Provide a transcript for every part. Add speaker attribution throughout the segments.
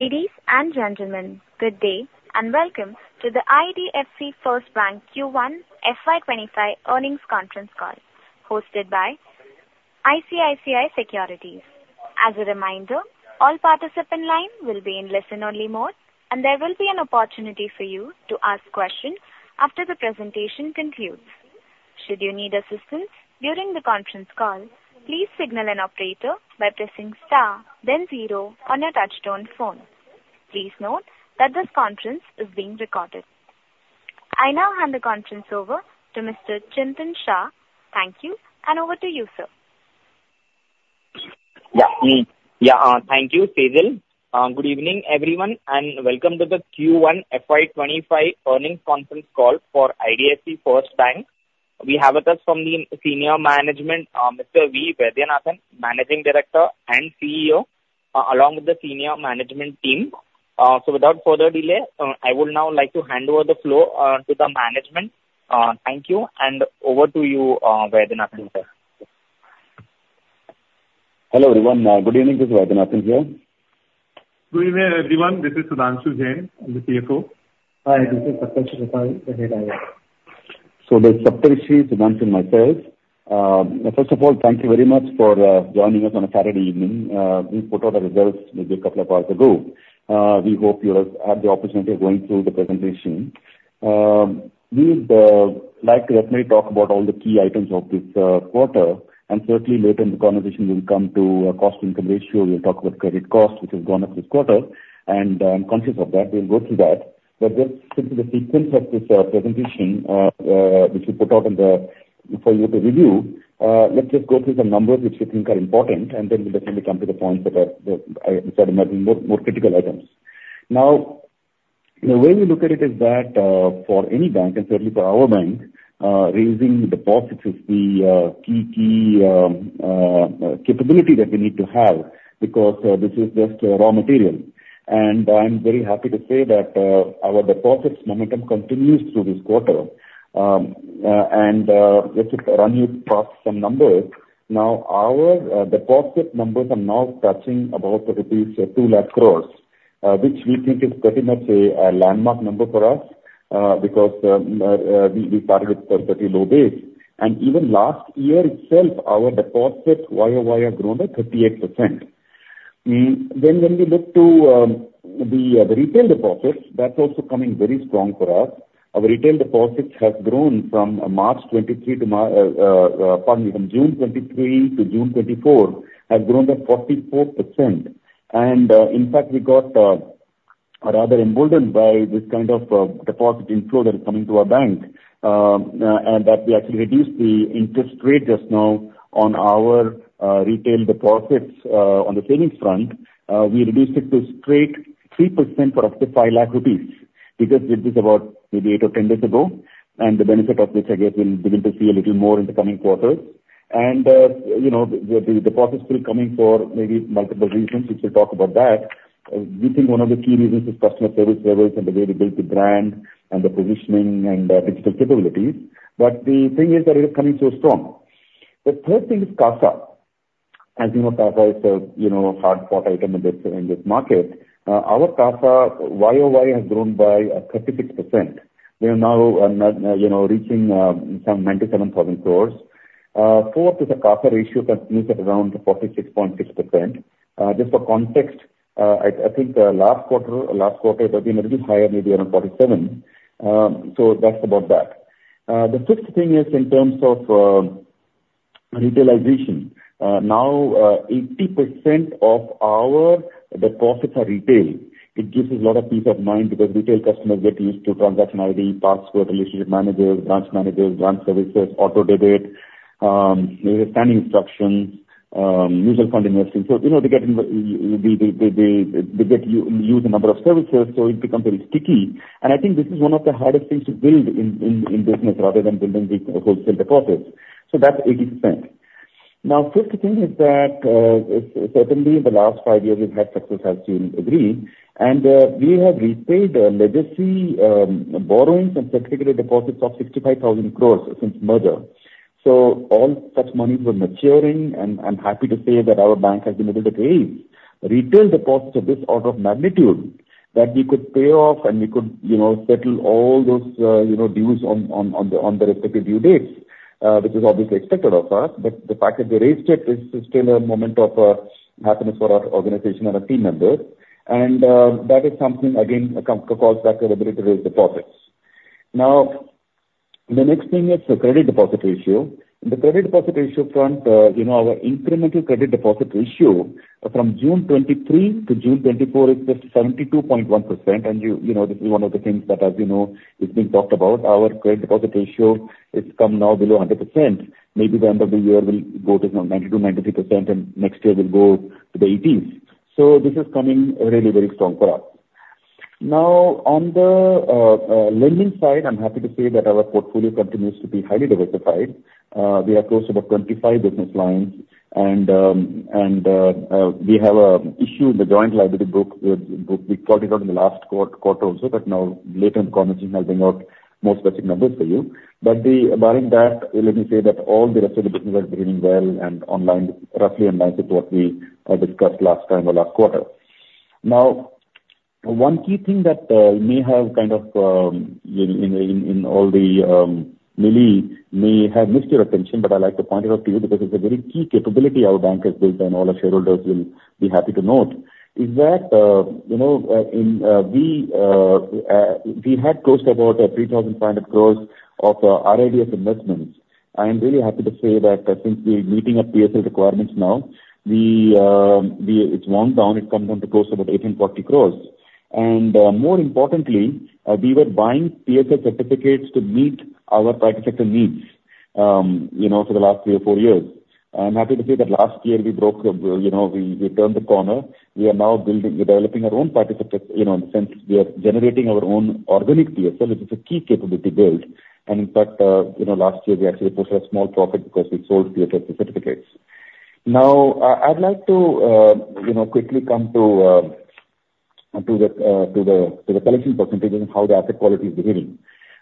Speaker 1: Ladies and gentlemen, good day and welcome to the IDFC First Bank Q1 FY25 earnings conference call, hosted by ICICI Securities. As a reminder, all participants in line will be in listen-only mode, and there will be an opportunity for you to ask questions after the presentation concludes. Should you need assistance during the conference call, please signal an operator by pressing star, then zero on your touch-tone phone. Please note that this conference is being recorded. I now hand the conference over to Mr. Chintan Shah. Thank you, and over to you, sir.
Speaker 2: Yeah, thank you, Cyril. Good evening, everyone, and welcome to the Q1 FY25 earnings conference call for IDFC FIRST Bank. We have with us from the senior management, Mr. V. Vaidyanathan, Managing Director and CEO, along with the senior management team. So without further delay, I would now like to hand over the floor to the management. Thank you, and over to you, Vaidyanathan.
Speaker 3: Hello everyone, good evening. This is Vaidyanathan here.
Speaker 4: Good evening, everyone. This is Sudhanshu Jain, the CFO.
Speaker 5: Hi, this is Saptarshi Bapari, the Head IR. This is Saptarshi, Sudhanshu, myself. First of all, thank you very much for joining us on a Saturday evening. We put out the results maybe a couple of hours ago. We hope you have had the opportunity of going through the presentation. We would like to definitely talk about all the key items of this quarter, and certainly later in the conversation, we'll come to a cost-to-income ratio. We'll talk about credit cost, which has gone up this quarter, and I'm conscious of that. We'll go through that. But just since the sequence of this presentation, which we put out for you to review, let's just go through some numbers which we think are important, and then we'll definitely come to the points that are more critical items. Now, the way we look at it is that for any bank, and certainly for our bank, raising deposits is the key capability that we need to have because this is just raw material. And I'm very happy to say that our deposits momentum continues through this quarter. And just to run you across some numbers, now our deposit numbers are now touching about rupees 200,000 crore, which we think is pretty much a landmark number for us because we started with a pretty low base. And even last year itself, our deposit YOY has grown by 38%. Then when we look to the retail deposits, that's also coming very strong for us. Our retail deposits have grown from March 2023 to, pardon me, from June 2023 to June 2024, have grown by 44%. In fact, we got rather emboldened by this kind of deposit inflow that is coming to our bank, and that we actually reduced the interest rate just now on our retail deposits on the savings front. We reduced it to straight 3% for up to ₹5 lakh because this was about maybe 8 or 10 days ago. The benefit of this, I guess, we'll begin to see a little more in the coming quarters. The deposits are still coming for maybe multiple reasons. We should talk about that. We think one of the key reasons is customer service levels and the way we build the brand and the positioning and digital capabilities. But the thing is that it is coming so strong. The third thing is CASA. As you know, CASA is a hard-fought item in this market. Our CASA YOY has grown by 36%. We are now reaching some 97,000 crore. Fourth is the CASA ratio continues at around 46.6%. Just for context, I think last quarter it was a little higher, maybe around 47%. So that's about that. The fifth thing is in terms of retailization. Now, 80% of our deposits are retail. It gives us a lot of peace of mind because retail customers get used to transaction ID, password, relationship managers, branch managers, branch services, auto-debit, standing instructions, mutual fund investing. So they get used to a number of services, so it becomes very sticky. And I think this is one of the hardest things to build in business rather than building wholesale deposits. So that's 80%. Now, the fifth thing is that certainly in the last five years, we've had success, as you agree. And we have repaid legacy borrowings and certificate deposits of 65,000 crore since merger. So all such monies were maturing, and I'm happy to say that our bank has been able to raise retail deposits of this order of magnitude that we could pay off and we could settle all those dues on the respective due dates, which is obviously expected of us. But the fact that they raised it is still a moment of happiness for our organization and our team members. And that is something, again, calls back to the ability to raise deposits. Now, the next thing is the credit deposit ratio. On the credit deposit ratio front, our incremental credit deposit ratio from June 2023 to June 2024 is just 72.1%. And this is one of the things that, as you know, is being talked about. Our credit deposit ratio has come now below 100%. Maybe by the end of the year, we'll go to 92%-93%, and next year we'll go to the 80s%. So this is coming really, really strong for us. Now, on the lending side, I'm happy to say that our portfolio continues to be highly diversified. We are close to about 25 business lines, and we have an issue in the joint liability book. We called it out in the last quarter also, but now later in the conference, we'll have more specific numbers for you. But barring that, let me say that all the rest of the business are doing well and online, roughly in line with what we discussed last time or last quarter. Now, one key thing that may have kind of in all the may have missed your attention, but I'd like to point it out to you because it's a very key capability our bank has built and all our shareholders will be happy to note, is that we had close to about 3,500 crore of RIDF investments. I am really happy to say that since we're meeting our PSL requirements now, it's wound down. It comes down to close to about 1,840 crore. And more importantly, we were buying PSL certificates to meet our private sector needs for the last three or four years. I'm happy to say that last year we broke, we turned the corner. We are now developing our own private sector in the sense we are generating our own organic PSL, which is a key capability built.
Speaker 3: In fact, last year we actually pushed a small profit because we sold PSL certificates. Now, I'd like to quickly come to the collection percentages and how the asset quality is behaving.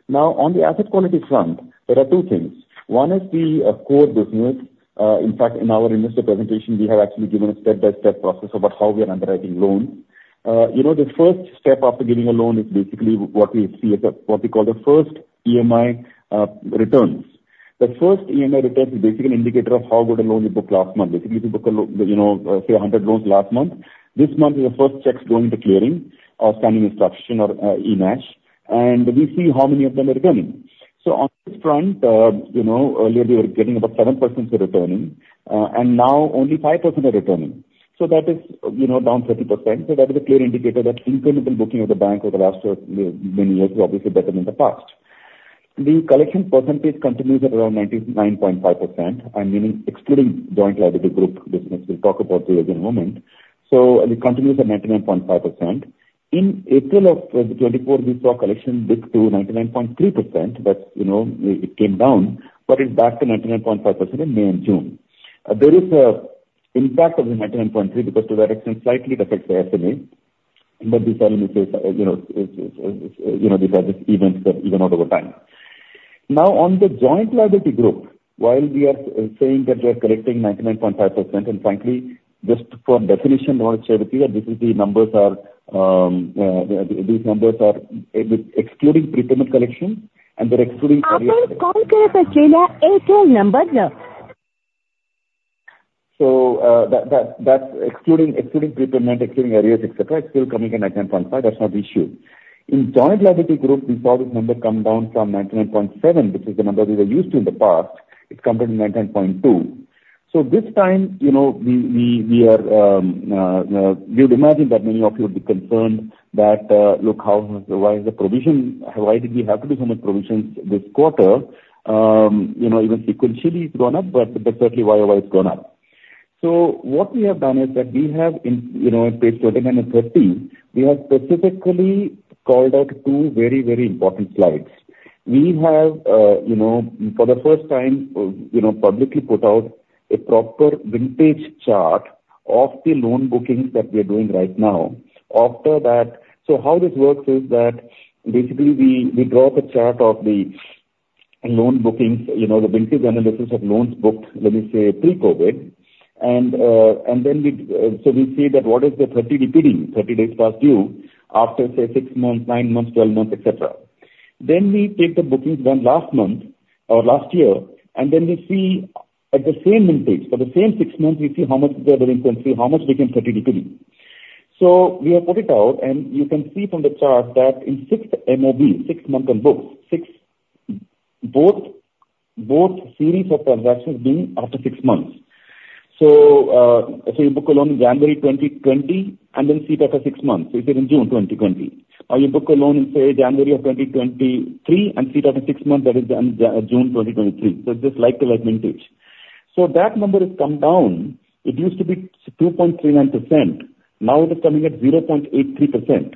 Speaker 3: Now, on the asset quality front, there are two things. One is the core business. In fact, in our investor presentation, we have actually given a step-by-step process about how we are underwriting loans. The first step after giving a loan is basically what we see as what we call the first EMI returns. The first EMI return is basically an indicator of how good a loan you booked last month. Basically, if you book, say, 100 loans last month, this month is the first checks going to clearing or standing instruction or e-NACH, and we see how many of them are returning. So on this front, earlier we were getting about 7% returning, and now only 5% are returning. So that is down 30%. So that is a clear indicator that incremental booking of the bank over the last many years is obviously better than the past. The collection percentage continues at around 99.5%, meaning excluding Joint Liability Group business. We'll talk about it in a moment. So it continues at 99.5%. In April of 2024, we saw collection dip to 99.3%. That's it came down, but it's back to 99.5% in May and June. There is an impact of the 99.3% because to that extent slightly it affects the SMA, but this element is, these are just events that even out over time. Now, on the Joint Liability Group, while we are saying that we are collecting 99.5%, and frankly, just for definition, I want to share with you that these numbers are excluding prepayment collection, and they're excluding areas.
Speaker 6: I was calling to verify JLG's actual numbers sir.
Speaker 3: So that's excluding prepayment, excluding areas, etc. It's still coming in 99.5%. That's not the issue. In joint liability group, we saw this number come down from 99.7%, which is the number we were used to in the past. It's come down to 99.2%. So this time, we are—you'd imagine that many of you would be concerned that, "Look, why is the provision? Why did we have to do so many provisions this quarter?" Even sequentially it's gone up, but certainly YOY has gone up. So what we have done is that we have in page 29 and 30, we have specifically called out two very, very important slides. We have, for the first time, publicly put out a proper vintage chart of the loan bookings that we are doing right now. So how this works is that basically we draw up a chart of the loan bookings, the vintage analysis of loans booked, let me say, pre-COVID. And then we see that what is the 30 days past due, 30 days past due, after, say, 6 months, 9 months, 12 months, etc. Then we take the bookings done last month or last year, and then we see at the same vintage for the same 6 months, we see how much we are doing currently, how much became 30 days past due. So we have put it out, and you can see from the chart that in sixth MOB, 6 months on books, both series of transactions being after 6 months. So if you book a loan in January 2020 and then see it after six months, so you say in June 2020, or you book a loan in, say, January of 2023 and see it after six months, that is June 2023. So it's just like the vintage line. So that number has come down. It used to be 2.39%. Now it is coming at 0.83%.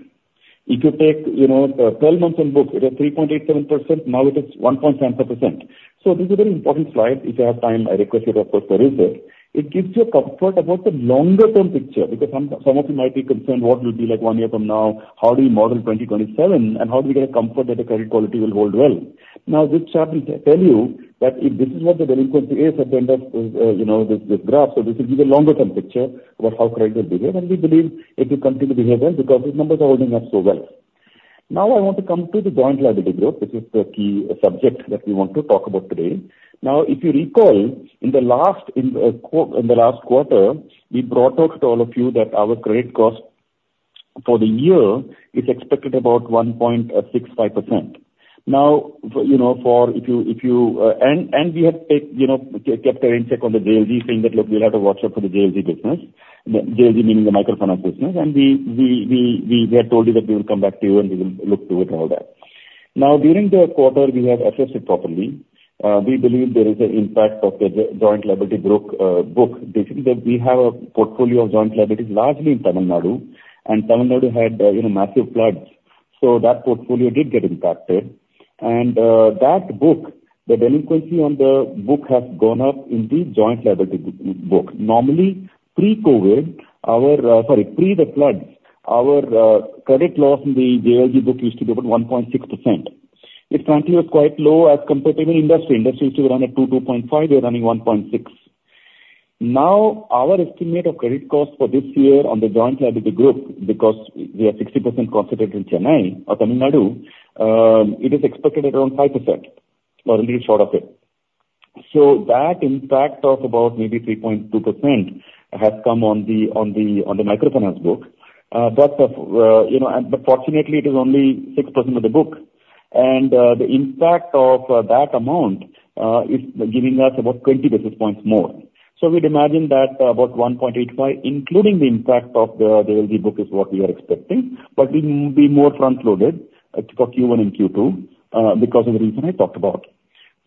Speaker 3: If you take 12 months on book, it is 3.87%. Now it is 1.74%. So this is a very important slide. If you have time, I request you to, of course, to use it. It gives you a comfort about the longer-term picture because some of you might be concerned what will be like one year from now, how do we model 2027, and how do we get a comfort that the credit quality will hold well? Now, this chart will tell you that if this is what the value is at the end of this graph, so this will give you a longer-term picture about how credit will behave. And we believe it will continue to behave well because these numbers are holding up so well. Now, I want to come to the Joint Liability Group, which is the key subject that we want to talk about today. Now, if you recall, in the last quarter, we brought out to all of you that our credit cost for the year is expected about 1.65%. Now, for—and we had kept a check on the JLG saying that, "Look, we'll have to watch out for the JLG business," JLG meaning the microfinance business. And we had told you that we will come back to you and we will look through it and all that. Now, during the quarter, we have assessed it properly. We believe there is an impact of the joint liability book basically that we have a portfolio of joint liabilities largely in Tamil Nadu, and Tamil Nadu had massive floods. So that portfolio did get impacted. And that book, the delinquency on the book has gone up in the joint liability book. Normally, pre-COVID, sorry, pre the floods, our credit loss in the JLG book used to be about 1.6%. It frankly was quite low as compared to even industry. Industry used to be running at 2, 2.5. We are running 1.6. Now, our estimate of credit cost for this year on the joint liability group, because we are 60% concentrated in Chennai or Tamil Nadu, it is expected at around 5% or a little short of it. So that impact of about maybe 3.2% has come on the microfinance book. But fortunately, it is only 6% of the book. And the impact of that amount is giving us about 20 basis points more. So we'd imagine that about 1.85, including the impact of the JLG book, is what we are expecting. But we will be more front-loaded for Q1 and Q2 because of the reason I talked about.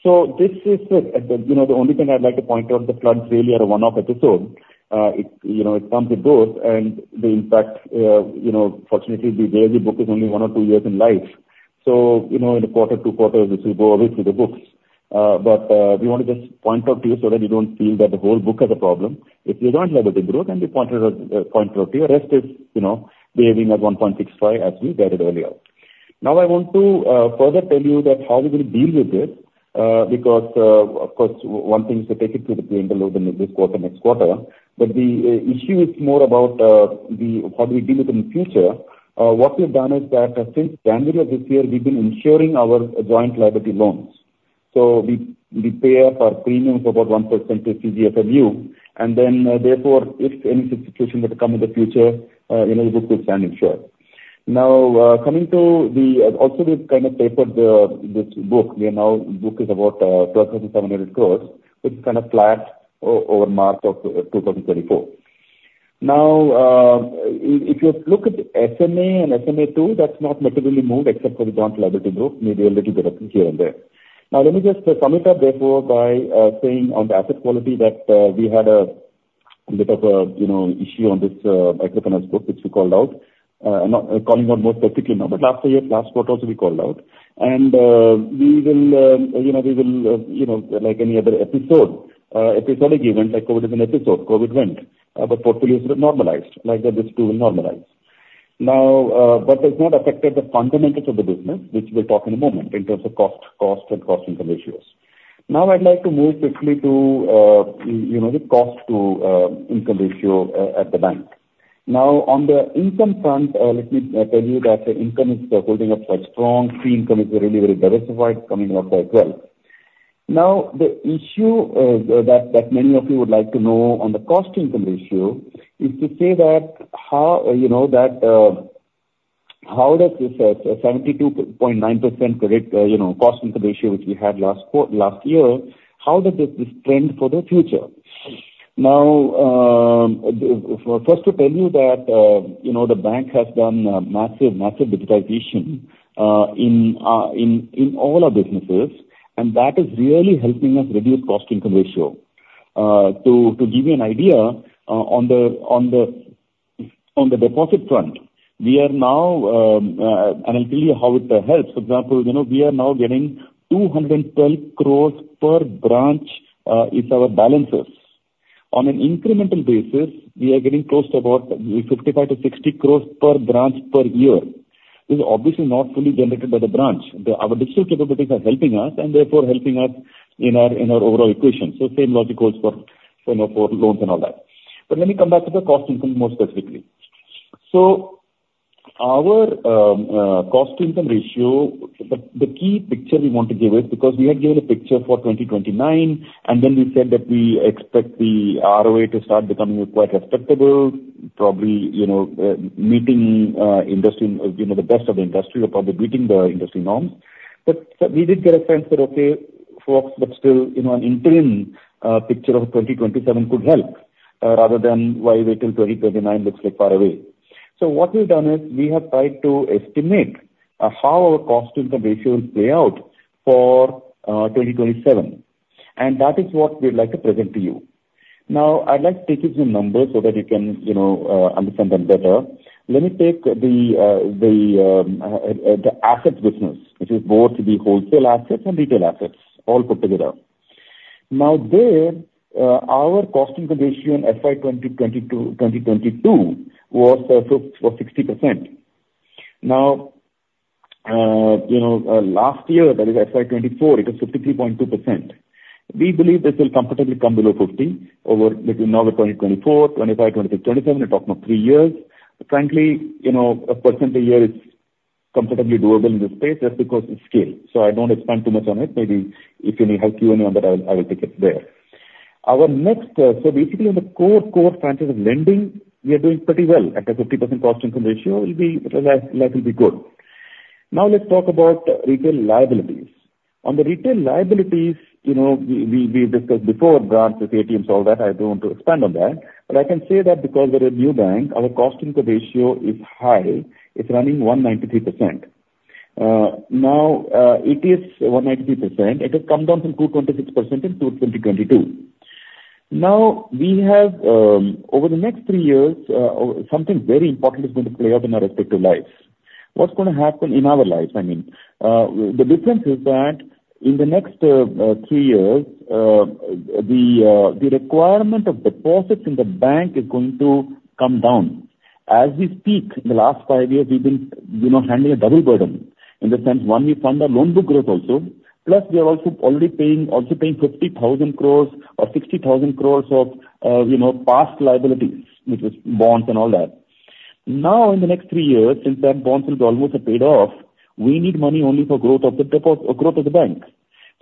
Speaker 3: So this is it. The only thing I'd like to point out, the floods really are a one-off episode. It comes with both. And in fact, fortunately, the JLG book is only one or two years in life. So in a quarter, two quarters, this will go away through the books. But we want to just point out to you so that you don't feel that the whole book has a problem. It's the joint liability group, and we point out to you the rest is behaving at 1.65 as we said earlier. Now, I want to further tell you how we will deal with this because, of course, one thing is to take it to the clinical load in this quarter and next quarter. But the issue is more about how do we deal with it in the future. What we've done is that since January of this year, we've been insuring our joint liability loans. So we pay up our premiums of about 1% to CGFMU. And then, therefore, if any situation were to come in the future, the book will stand insured. Now, coming to the also we've kind of tapered this book. The book is about 12,700 crore, which is kind of flat over March of 2024. Now, if you look at SMA and SMA II, that's not materially moved except for the joint liability group, maybe a little bit of here and there. Now, let me just sum it up therefore by saying on the asset quality that we had a bit of an issue on this microfinance book, which we called out, calling out most specifically now, but last year, last quarter also we called out. And we will, like any other episode, episodic event like COVID is an episode. COVID went, but portfolios have normalized like this too will normalize. Now, but it's not affected the fundamentals of the business, which we'll talk in a moment in terms of cost and cost-to-income ratios. Now, I'd like to move quickly to the cost-to-income ratio at the bank. Now, on the income front, let me tell you that income is holding up quite strong. Fee income is really, really diversified, coming out quite well. Now, the issue that many of you would like to know on the cost-income ratio is to say that how does this 72.9% cost-income ratio, which we had last year, how does this trend for the future? Now, first to tell you that the bank has done massive, massive digitization in all our businesses, and that is really helping us reduce cost-income ratio. To give you an idea, on the deposit front, we are now, and I'll tell you how it helps. For example, we are now getting 212 crore per branch in our balances. On an incremental basis, we are getting close to about 55 crore-60 crore per branch per year. This is obviously not fully generated by the branch. Our digital capabilities are helping us and therefore helping us in our overall equation. So same logic holds for loans and all that. But let me come back to the cost-income more specifically. So our cost-income ratio, the key picture we want to give is because we had given a picture for 2029, and then we said that we expect the ROA to start becoming quite respectable, probably meeting the best of the industry or probably beating the industry norms. But we did get a sense that, okay, but still an interim picture of 2027 could help rather than why wait till 2029 looks like far away. So what we've done is we have tried to estimate how our cost-income ratio will play out for 2027. And that is what we'd like to present to you. Now, I'd like to take you to some numbers so that you can understand them better. Let me take the assets business, which is both the wholesale assets and retail assets, all put together. Now, there, our cost-income ratio in FY 2022 was 60%. Now, last year, that is FY 2024, it was 53.2%. We believe this will comfortably come below 50% over now with 2024, 2025, 2026, 2027, we're talking about three years. Frankly, 1% a year is comfortably doable in this space just because of scale. So I don't expand too much on it. Maybe if you need help Q&A, I will take it there. Our next—so basically, on the core franchise of lending, we are doing pretty well. At a 50% cost-income ratio, life will be good. Now, let's talk about retail liabilities. On the retail liabilities, we discussed before grants, ATMs, all that. I don't want to expand on that. But I can say that because we're a new bank, our cost-income ratio is high. It's running 193%. Now, it is 193%. It has come down from 226% in 2022. Now, over the next 3 years, something very important is going to play out in our respective lives. What's going to happen in our lives? I mean, the difference is that in the next 3 years, the requirement of deposits in the bank is going to come down. As we speak, in the last 5 years, we've been handling a double burden in the sense one we fund our loan book growth also, plus we are also already paying 50,000 crore or 60,000 crore of past liabilities, which was bonds and all that. Now, in the next 3 years, since that bonds will be almost paid off, we need money only for growth of the bank.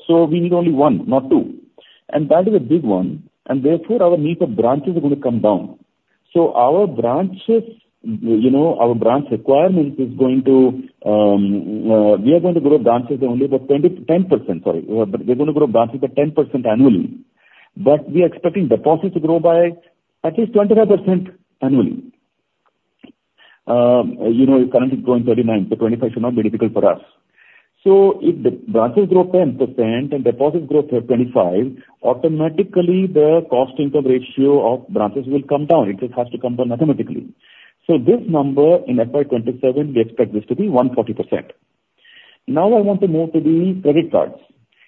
Speaker 3: So we need only one, not two. And that is a big one. And therefore, our need for branches is going to come down. So our branches, our branch requirement is going to—we are going to grow branches only by 10%, sorry. We're going to grow branches by 10% annually. But we are expecting deposits to grow by at least 25% annually. Currently, it's growing 39%, so 25% should not be difficult for us. So if the branches grow 10% and deposits grow 25%, automatically, the cost-income ratio of branches will come down. It just has to come down automatically. So this number in FY 2027, we expect this to be 140%. Now, I want to move to the credit cards.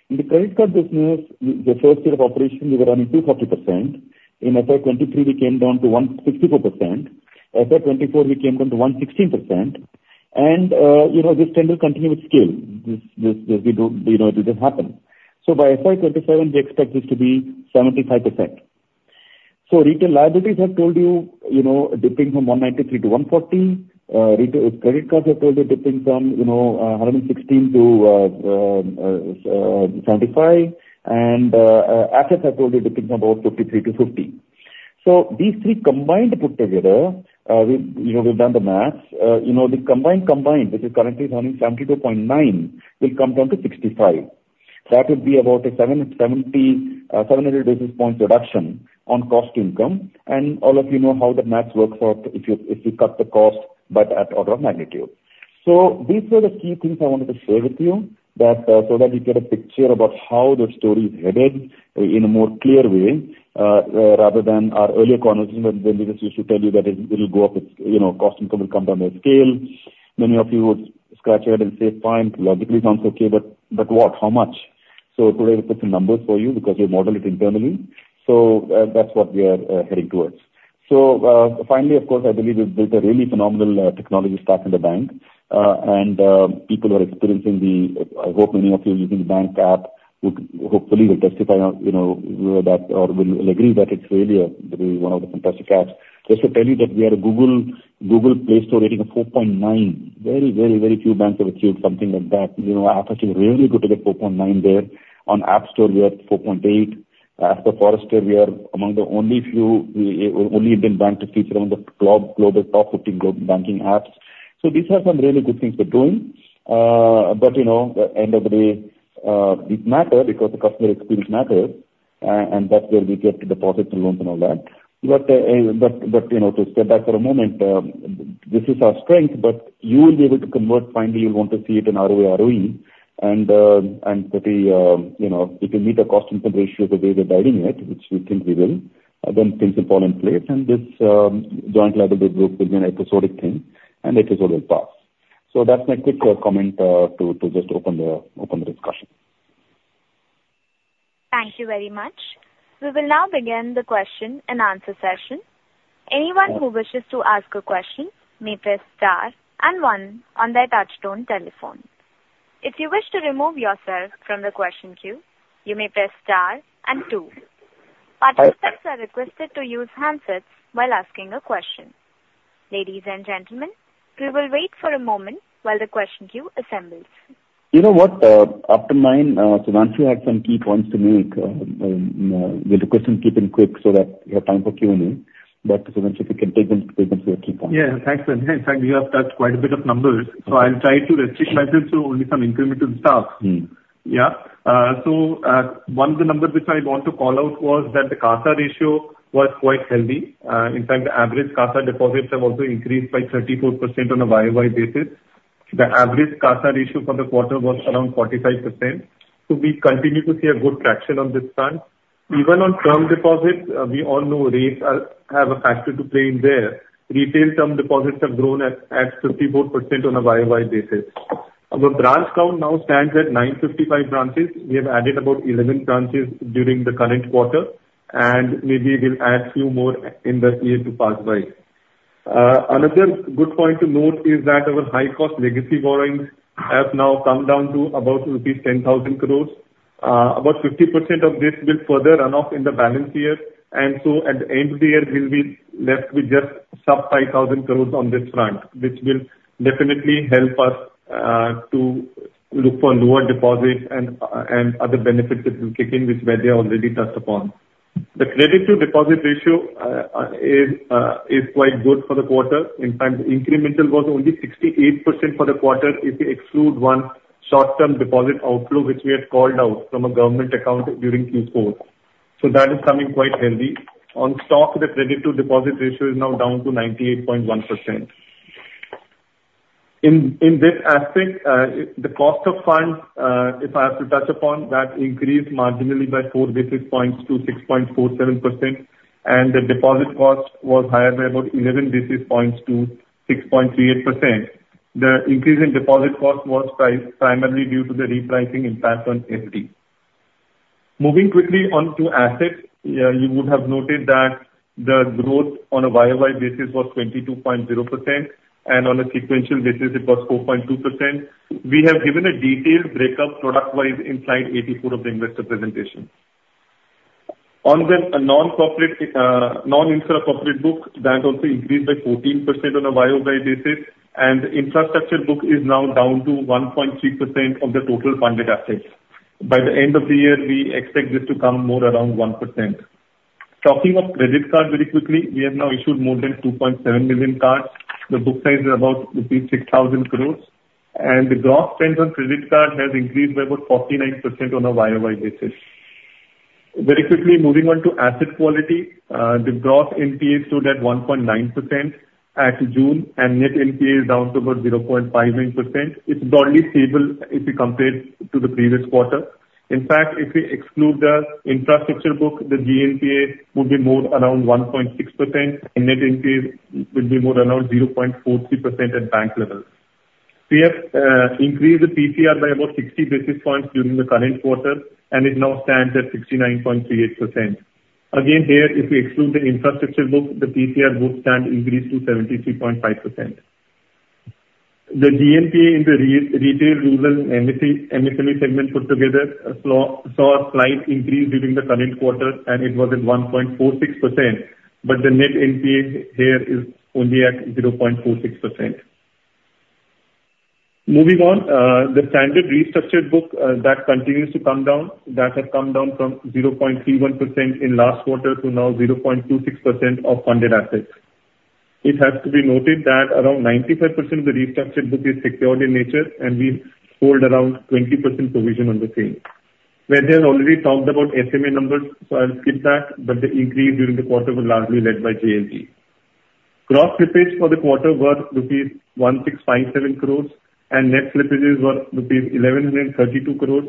Speaker 3: In the credit card business, the first year of operation, we were running 240%. In FY 2023, we came down to 164%. FY 2024, we came down to 116%. This trend will continue with scale. This will just happen. By FY 2027, we expect this to be 75%. Retail liabilities have told you dipping from 193 to 140. Credit cards have told you dipping from 116 to 75. Assets have told you dipping from about 53 to 50. These three combined put together, we've done the math. The combined combined, which is currently running 72.9, will come down to 65. That would be about a 700 basis points reduction on cost-income. All of you know how the math works out if you cut the cost by that order of magnitude. So these were the key things I wanted to share with you so that you get a picture about how the story is headed in a more clear way rather than our earlier conversation when we just used to tell you that it'll go up, cost-income will come down by scale. Many of you would scratch your head and say, "Fine, logically, it sounds okay, but what? How much?" So today, we put some numbers for you because we model it internally. So that's what we are heading towards. So finally, of course, I believe we've built a really phenomenal technology stack in the bank. And people who are experiencing the—I hope many of you using the bank app would hopefully testify or will agree that it's really one of the fantastic apps. Just to tell you that we are a Google Play Store rating of 4.9. Very, very, very few banks have achieved something like that. Apple is really good to get 4.9 there. On App Store, we are 4.8. As per Forrester, we are among the only few, we've only been ranked 15th among the top 15 global banking apps. So these are some really good things we're doing. But at the end of the day, it matters because the customer experience matters. And that's where we get the deposits and loans and all that. But to step back for a moment, this is our strength. But you will be able to convert finally. You'll want to see it in ROA/ROE. And if you meet the cost-income ratio the way we're guiding it, which we think we will, then things will fall in place. And this joint liability group will be an episodic thing, and the episode will pass. So that's my quick comment to just open the discussion.
Speaker 1: Thank you very much. We will now begin the question and answer session. Anyone who wishes to ask a question may press star and one on their touch-tone telephone. If you wish to remove yourself from the question queue, you may press star and two. Participants are requested to use handsets while asking a question. Ladies and gentlemen, we will wait for a moment while the question queue assembles.
Speaker 5: You know what? After nine, Sudhanshu had some key points to make. We'll request him to keep him quick so that we have time for Q&A. But Sudhanshu, if you can take them to your key points.
Speaker 4: Yeah, thanks. In fact, you have touched quite a bit of numbers. So I'll try to restrict myself to only some incremental stuff. Yeah.
Speaker 5: So one of the numbers which I want to call out was that the CASA ratio was quite healthy. In fact, the average CASA deposits have also increased by 34% on a YOY basis. The average CASA ratio for the quarter was around 45%. So we continue to see a good traction on this front. Even on term deposits, we all know rates have a factor to play in there. Retail term deposits have grown at 54% on a YOY basis. Our branch count now stands at 955 branches. We have added about 11 branches during the current quarter, and maybe we'll add a few more in the year to pass by. Another good point to note is that our high-cost legacy borrowings have now come down to about rupees 10,000 crore. About 50% of this will further run off in the balance year.
Speaker 7: At the end of the year, we'll be left with just sub ₹5,000 crores on this front, which will definitely help us to look for lower deposits and other benefits that will kick in, which Vaidya already touched upon. The credit-to-deposit ratio is quite good for the quarter. In fact, the incremental was only 68% for the quarter if we exclude one short-term deposit outflow, which we had called out from a government account during Q4. That is coming quite healthy. On stock, the credit-to-deposit ratio is now down to 98.1%. In this aspect, the cost of funds, if I have to touch upon, that increased marginally by 4 basis points to 6.47%. And the deposit cost was higher by about 11 basis points to 6.38%. The increase in deposit cost was primarily due to the repricing impact on equity.
Speaker 3: Moving quickly on to assets, you would have noted that the growth on a YOY basis was 22.0%, and on a sequential basis, it was 4.2%. We have given a detailed breakup product-wise inside slide 84 of the investor presentation. On the non-corporate book, that also increased by 14% on a YOY basis. The infrastructure book is now down to 1.3% of the total funded assets. By the end of the year, we expect this to come more around 1%. Talking of credit cards very quickly, we have now issued more than 2.7 million cards. The book size is about rupees 6,000 crore. The gross spend on credit cards has increased by about 49% on a YOY basis. Very quickly, moving on to asset quality, the gross NPA stood at 1.9% at June, and net NPA is down to about 0.59%. It's broadly stable if you compare it to the previous quarter. In fact, if we exclude the infrastructure book, the GNPA would be more around 1.6%, and net NPA would be more around 0.43% at bank level. We have increased the PCR by about 60 basis points during the current quarter, and it now stands at 69.38%. Again, here, if we exclude the infrastructure book, the PCR would stand increased to 73.5%. The GNPA in the retail, rural, and MSME segment put together saw a slight increase during the current quarter, and it was at 1.46%. But the net NPA here is only at 0.46%. Moving on, the standard restructured book that continues to come down, that has come down from 0.31% in last quarter to now 0.26% of funded assets. It has to be noted that around 95% of the restructured book is secured in nature, and we hold around 20% provision on the same. Vaidyanathan already talked about SMA numbers, so I'll skip that. But the increase during the quarter was largely led by JLG. Gross slippage for the quarter was ₹1,657 crores, and net slippages were ₹1,132 crores.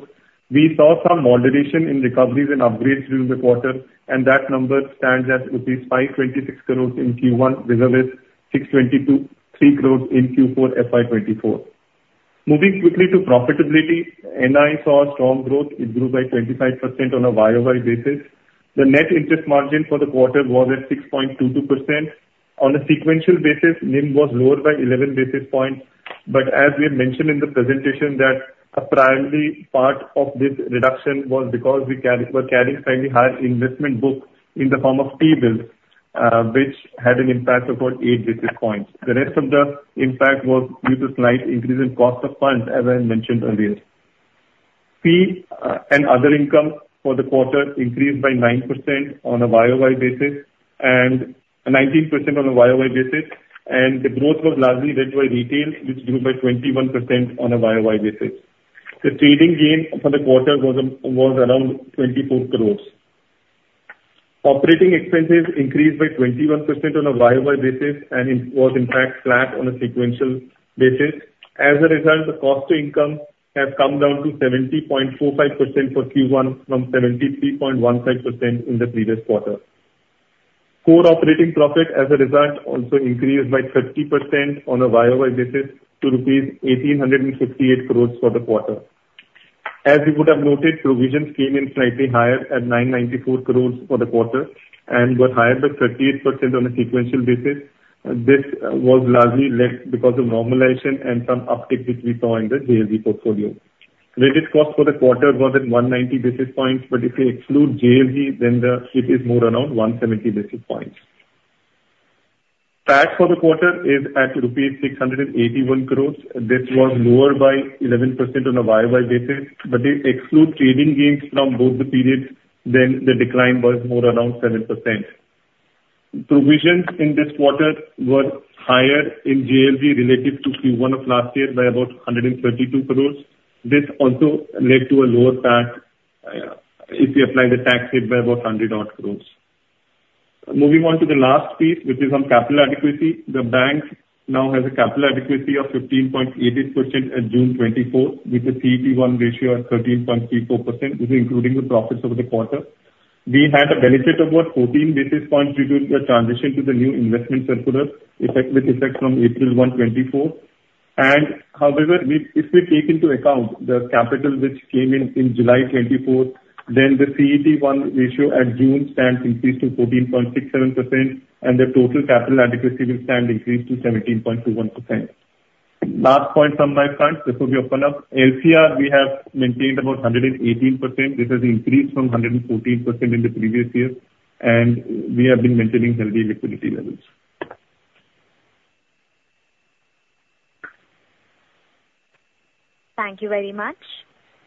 Speaker 3: We saw some moderation in recoveries and upgrades during the quarter, and that number stands at ₹526 crores in Q1, as well as ₹623 crores in Q4 FY 2024. Moving quickly to profitability, NII saw strong growth. It grew by 25% on a YOY basis. The net interest margin for the quarter was at 6.22%. On a sequential basis, NII was lower by 11 basis points. As we have mentioned in the presentation, that a primary part of this reduction was because we were carrying slightly higher investment book in the form of T-bills, which had an impact of about 8 basis points. The rest of the impact was due to slight increase in cost of funds, as I mentioned earlier. Fee and other income for the quarter increased by 9% on a YOY basis and 19% on a YOY basis. The growth was largely led by retail, which grew by 21% on a YOY basis. The trading gain for the quarter was around 24 crore. Operating expenses increased by 21% on a YOY basis and was, in fact, flat on a sequential basis. As a result, the cost-to-income has come down to 70.45% for Q1 from 73.15% in the previous quarter. Core operating profit, as a result, also increased by 30% on a YOY basis to ₹1,858 crores for the quarter. As you would have noted, provisions came in slightly higher at ₹994 crores for the quarter and were higher by 38% on a sequential basis. This was largely led because of normalization and some uptick which we saw in the JLG portfolio. Credit cost for the quarter was at 190 basis points. But if we exclude JLG, then it is more around 170 basis points. PAT for the quarter is at ₹681 crores. This was lower by 11% on a YOY basis. But if we exclude trading gains from both the periods, then the decline was more around 7%. Provisions in this quarter were higher in JLG relative to Q1 of last year by about 132 crores. This also led to a lower PAT if we apply the tax rate by about 100 crore. Moving on to the last piece, which is on capital adequacy, the bank now has a capital adequacy of 15.88% at June 2024, with a CET1 ratio at 13.34%, including the profits over the quarter. We had a benefit of about 14 basis points due to the transition to the new investment circular with effect from April 1, 2024. However, if we take into account the capital which came in in July 2024, then the CET1 ratio at June 2024 stands increased to 14.67%, and the total capital adequacy will stand increased to 17.21%. Last point from my front before we open up. LCR, we have maintained about 118%. This has increased from 114% in the previous year, and we have been maintaining healthy liquidity levels. Thank you very much.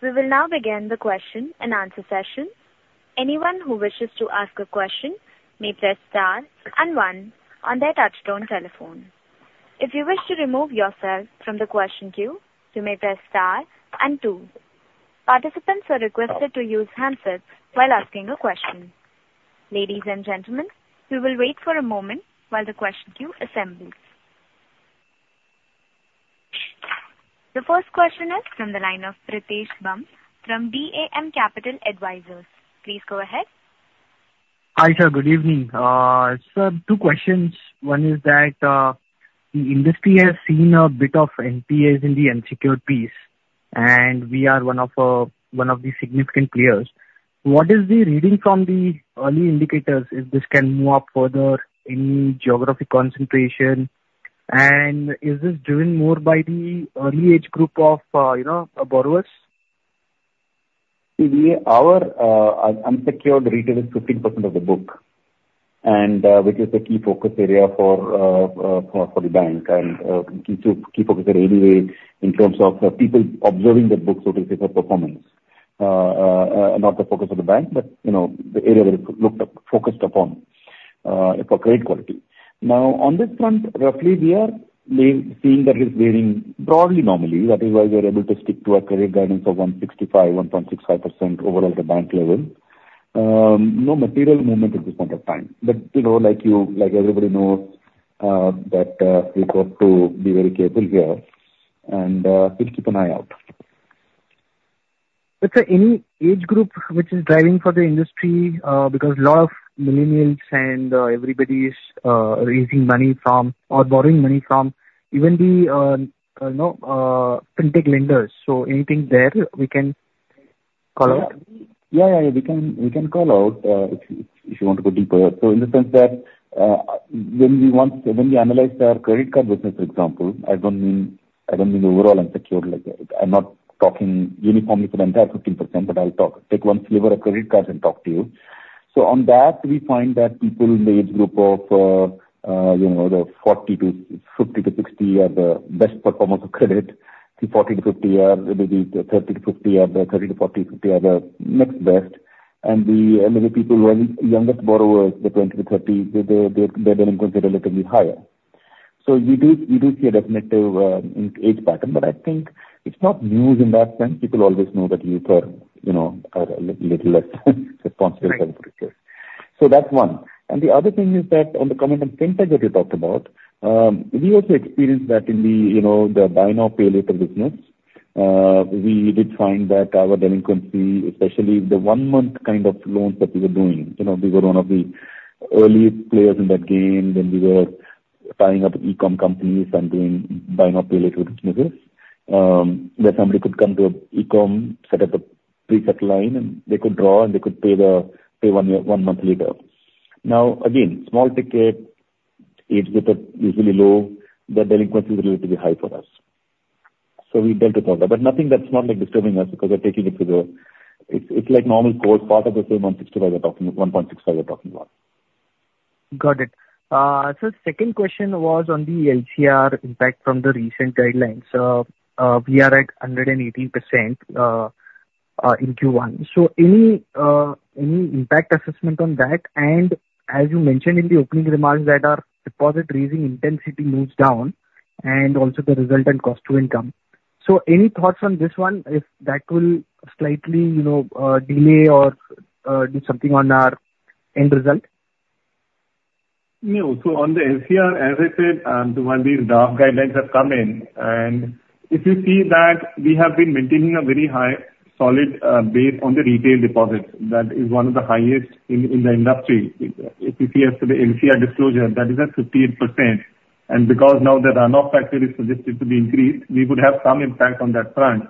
Speaker 1: We will now begin the question and answer session. Anyone who wishes to ask a question may press star and one on their touch-tone telephone. If you wish to remove yourself from the question queue, you may press star and two. Participants are requested to use handsets while asking a question. Ladies and gentlemen, we will wait for a moment while the question queue assembles. The first question is from the line of Pritesh Bumb from DAM Capital Advisors. Please go ahead.
Speaker 8: Hi, sir. Good evening. Sir, two questions. One is that the industry has seen a bit of NPAs in the unsecured piece, and we are one of the significant players. What is the reading from the early indicators if this can move up further, any geographic concentration? And is this driven more by the early age group of borrowers?
Speaker 3: Our unsecured retail is 15% of the book, which is the key focus area for the bank and key focus area anyway in terms of people observing the book, so to speak, for performance. Not the focus of the bank, but the area that it's focused upon for credit quality. Now, on this front, roughly, we are seeing that it's varying broadly normally. That is why we are able to stick to a credit guidance of 1.65% overall at the bank level. No material movement at this point of time. But like everybody knows, that we've got to be very careful here, and we'll keep an eye out.
Speaker 8: But any age group which is driving for the industry? Because a lot of millennials and everybody's raising money from or borrowing money from even the fintech lenders. So anything there we can call out? Yeah, yeah, yeah.
Speaker 3: We can call out if you want to go deeper. So in the sense that when we analyze our credit card business, for example, I don't mean overall unsecured. I'm not talking uniformly for the entire 15%, but I'll take one sliver of credit cards and talk to you. So on that, we find that people in the age group of the 50-60 are the best performers of credit. The 40-50 are maybe the 30-50 are the 30-40, 50 are the next best. And the youngest borrowers, the 20-30, their billing points are relatively higher. So we do see a definitive age pattern. But I think it's not news in that sense. People always know that youth are a little less responsible. So that's one. And the other thing is that on the comment on fintech that you talked about, we also experienced that in the buy now, pay later business. We did find that our delinquency, especially the one-month kind of loans that we were doing, we were one of the earliest players in that game. Then we were tying up e-comm companies and doing buy now, pay later businesses, where somebody could come to an e-comm, set up a pre-set line, and they could draw, and they could pay one month later. Now, again, small ticket, age group is usually low. The delinquency is relatively high for us. So we dealt with all that. But nothing that's not disturbing us because we're taking it to the, it's like normal course. Part of the same 1.65 we're talking, 1.65 we're talking about. Got it.
Speaker 8: So the second question was on the LCR impact from the recent guidelines. So we are at 118% in Q1. So any impact assessment on that? And as you mentioned in the opening remarks, that our deposit raising intensity moves down and also the resultant cost to income. So any thoughts on this one if that will slightly delay or do something on our end result?
Speaker 3: No. So on the LCR, as I said, once these RBI guidelines have come in. And if you see that we have been maintaining a very high solid base on the retail deposits. That is one of the highest in the industry. If you see yesterday's LCR disclosure, that is at 58%. And because now the runoff factor is suggested to be increased, we would have some impact on that front.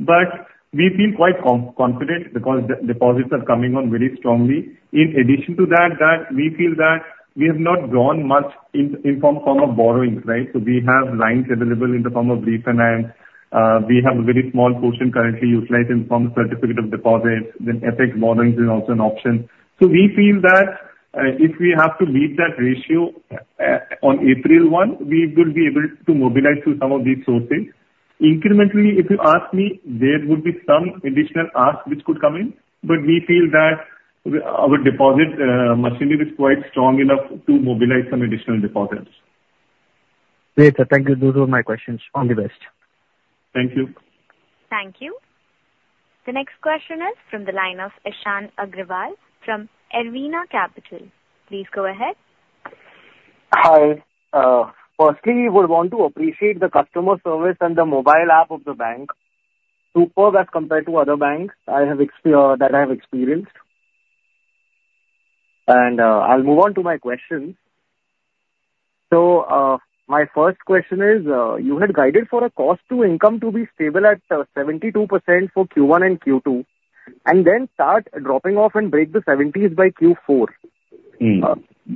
Speaker 3: But we've been quite confident because deposits are coming on very strongly. In addition to that, we feel that we have not grown much in the form of borrowing, right? So we have lines available in the form of refinance. We have a very small portion currently utilized in the form of certificates of deposit. Then FX borrowing is also an option. So we feel that if we have to meet that ratio on April 1, we will be able to mobilize through some of these sources. Incrementally, if you ask me, there would be some additional ask which could come in. But we feel that our deposit machinery is quite strong enough to mobilize some additional deposits.
Speaker 8: Great. Thank you. Those were my questions. All the best. Thank you.
Speaker 1: Thank you. The next question is from the line of Ishan Agarwal from Erevna Capital. Please go ahead. Hi.
Speaker 9: Firstly, we would want to appreciate the customer service and the mobile app of the bank, superb as compared to other banks that I have experienced. I'll move on to my questions. So my first question is, you had guided for a cost-to-income to be stable at 72% for Q1 and Q2, and then start dropping off and break the 70s by Q4.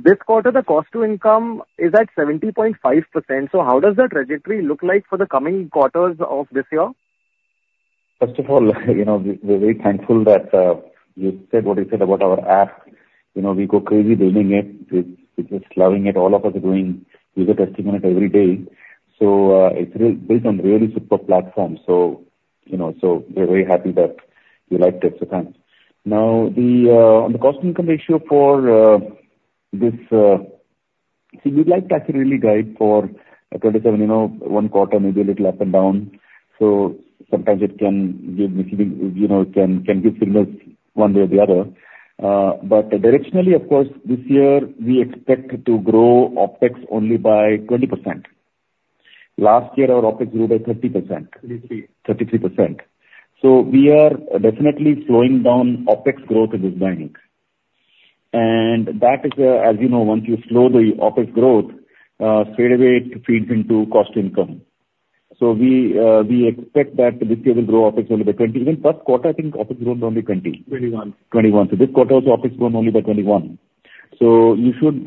Speaker 9: This quarter, the cost-to-income is at 70.5%. So how does that trajectory look like for the coming quarters of this year? First of all, we're very thankful that you said what you said about our app.
Speaker 3: We go crazy building it. We're just loving it. All of us are doing user testimonials every day. So it's built on a really super platform. So we're very happy that you liked it. So thanks. Now, on the cost-to-income ratio for this, see, we'd like to actually really guide for a 27%, one quarter, maybe a little up and down. So sometimes it can give me it can give signals one way or the other. But directionally, of course, this year, we expect to grow OPEX only by 20%. Last year, our OPEX grew by 30%. 33. 33%. So we are definitely slowing down OPEX growth in this bank. And that is, as you know, once you slow the OPEX growth, straight away it feeds into cost-to-income. So we expect that this year we'll grow OPEX only by 20%. Even first quarter, I think OPEX grew only 20%. 21%. 21%. So this quarter also, OPEX grew only by 21%. So you should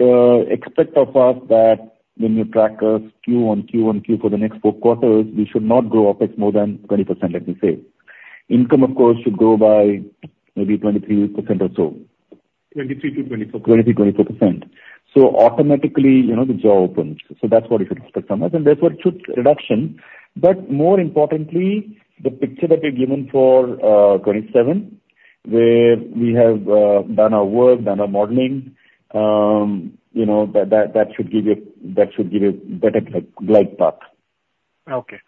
Speaker 3: expect of us that when you track us Q1, Q1, Q for the next four quarters, we should not grow OPEX more than 20%, let me say. Income, of course, should grow by maybe 23% or so. 23%-24%. 23%, 24%. So automatically, the jaw opens. So that's what we should expect from us. And that's what should. Reduction. But more importantly, the picture that we've given for 27, where we have done our work, done our modeling, that should give you a better glide path. Okay.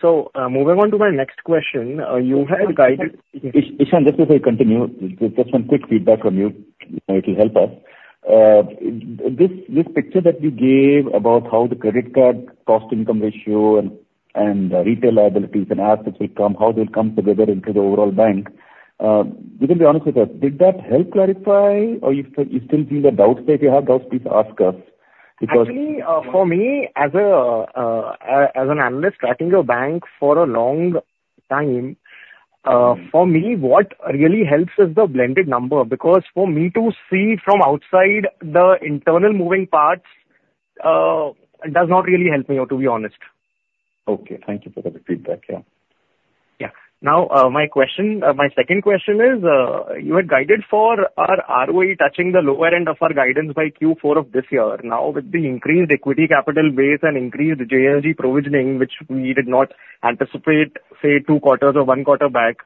Speaker 3: So moving on to my next question, you had guided. Ishan, just before you continue, just one quick feedback from you. It will help us. This picture that you gave about how the credit card cost-to-income ratio and retail liabilities and assets will come, how they'll come together into the overall bank, you can be honest with us.
Speaker 9: Did that help clarify? Or you still feel the doubts? If you have doubts, please ask us. Because. Actually, for me, as an analyst, tracking a bank for a long time, for me, what really helps is the blended number. Because for me to see from outside the internal moving parts does not really help me, to be honest. Okay. Thank you for the feedback. Yeah. Yeah. Now, my question, my second question is, you had guided for our ROE touching the lower end of our guidance by Q4 of this year. Now, with the increased equity capital base and increased JLG provisioning, which we did not anticipate, say, two quarters or one quarter back,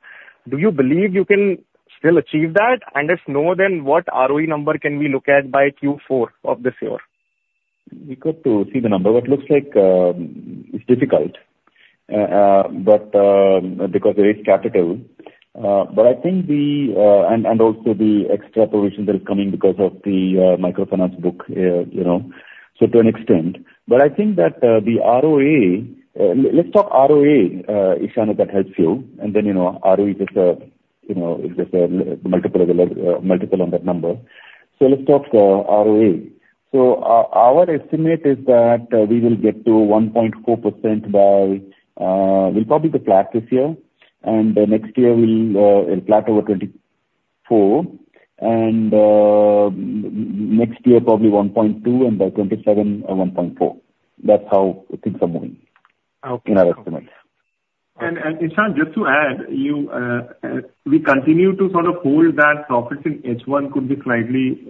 Speaker 9: do you believe you can still achieve that? And if so, then what ROE number can we look at by Q4 of this year? We got to see the number.
Speaker 3: What looks like it's difficult because there is capital. I think the and also the extra provisions that are coming because of the microfinance book, to an extent. I think that the ROE, let's talk ROE, Ishan, if that helps you. ROE is just a multiple on that number. Let's talk ROE. Our estimate is that we will get to 1.4% by we'll probably plate this year. Next year, we'll plate over 24. Next year, probably 1.2, and by 2027, 1.4. That's how things are moving in our estimates. Ishan, just to add, we continue to sort of hold that profits in H1 could be slightly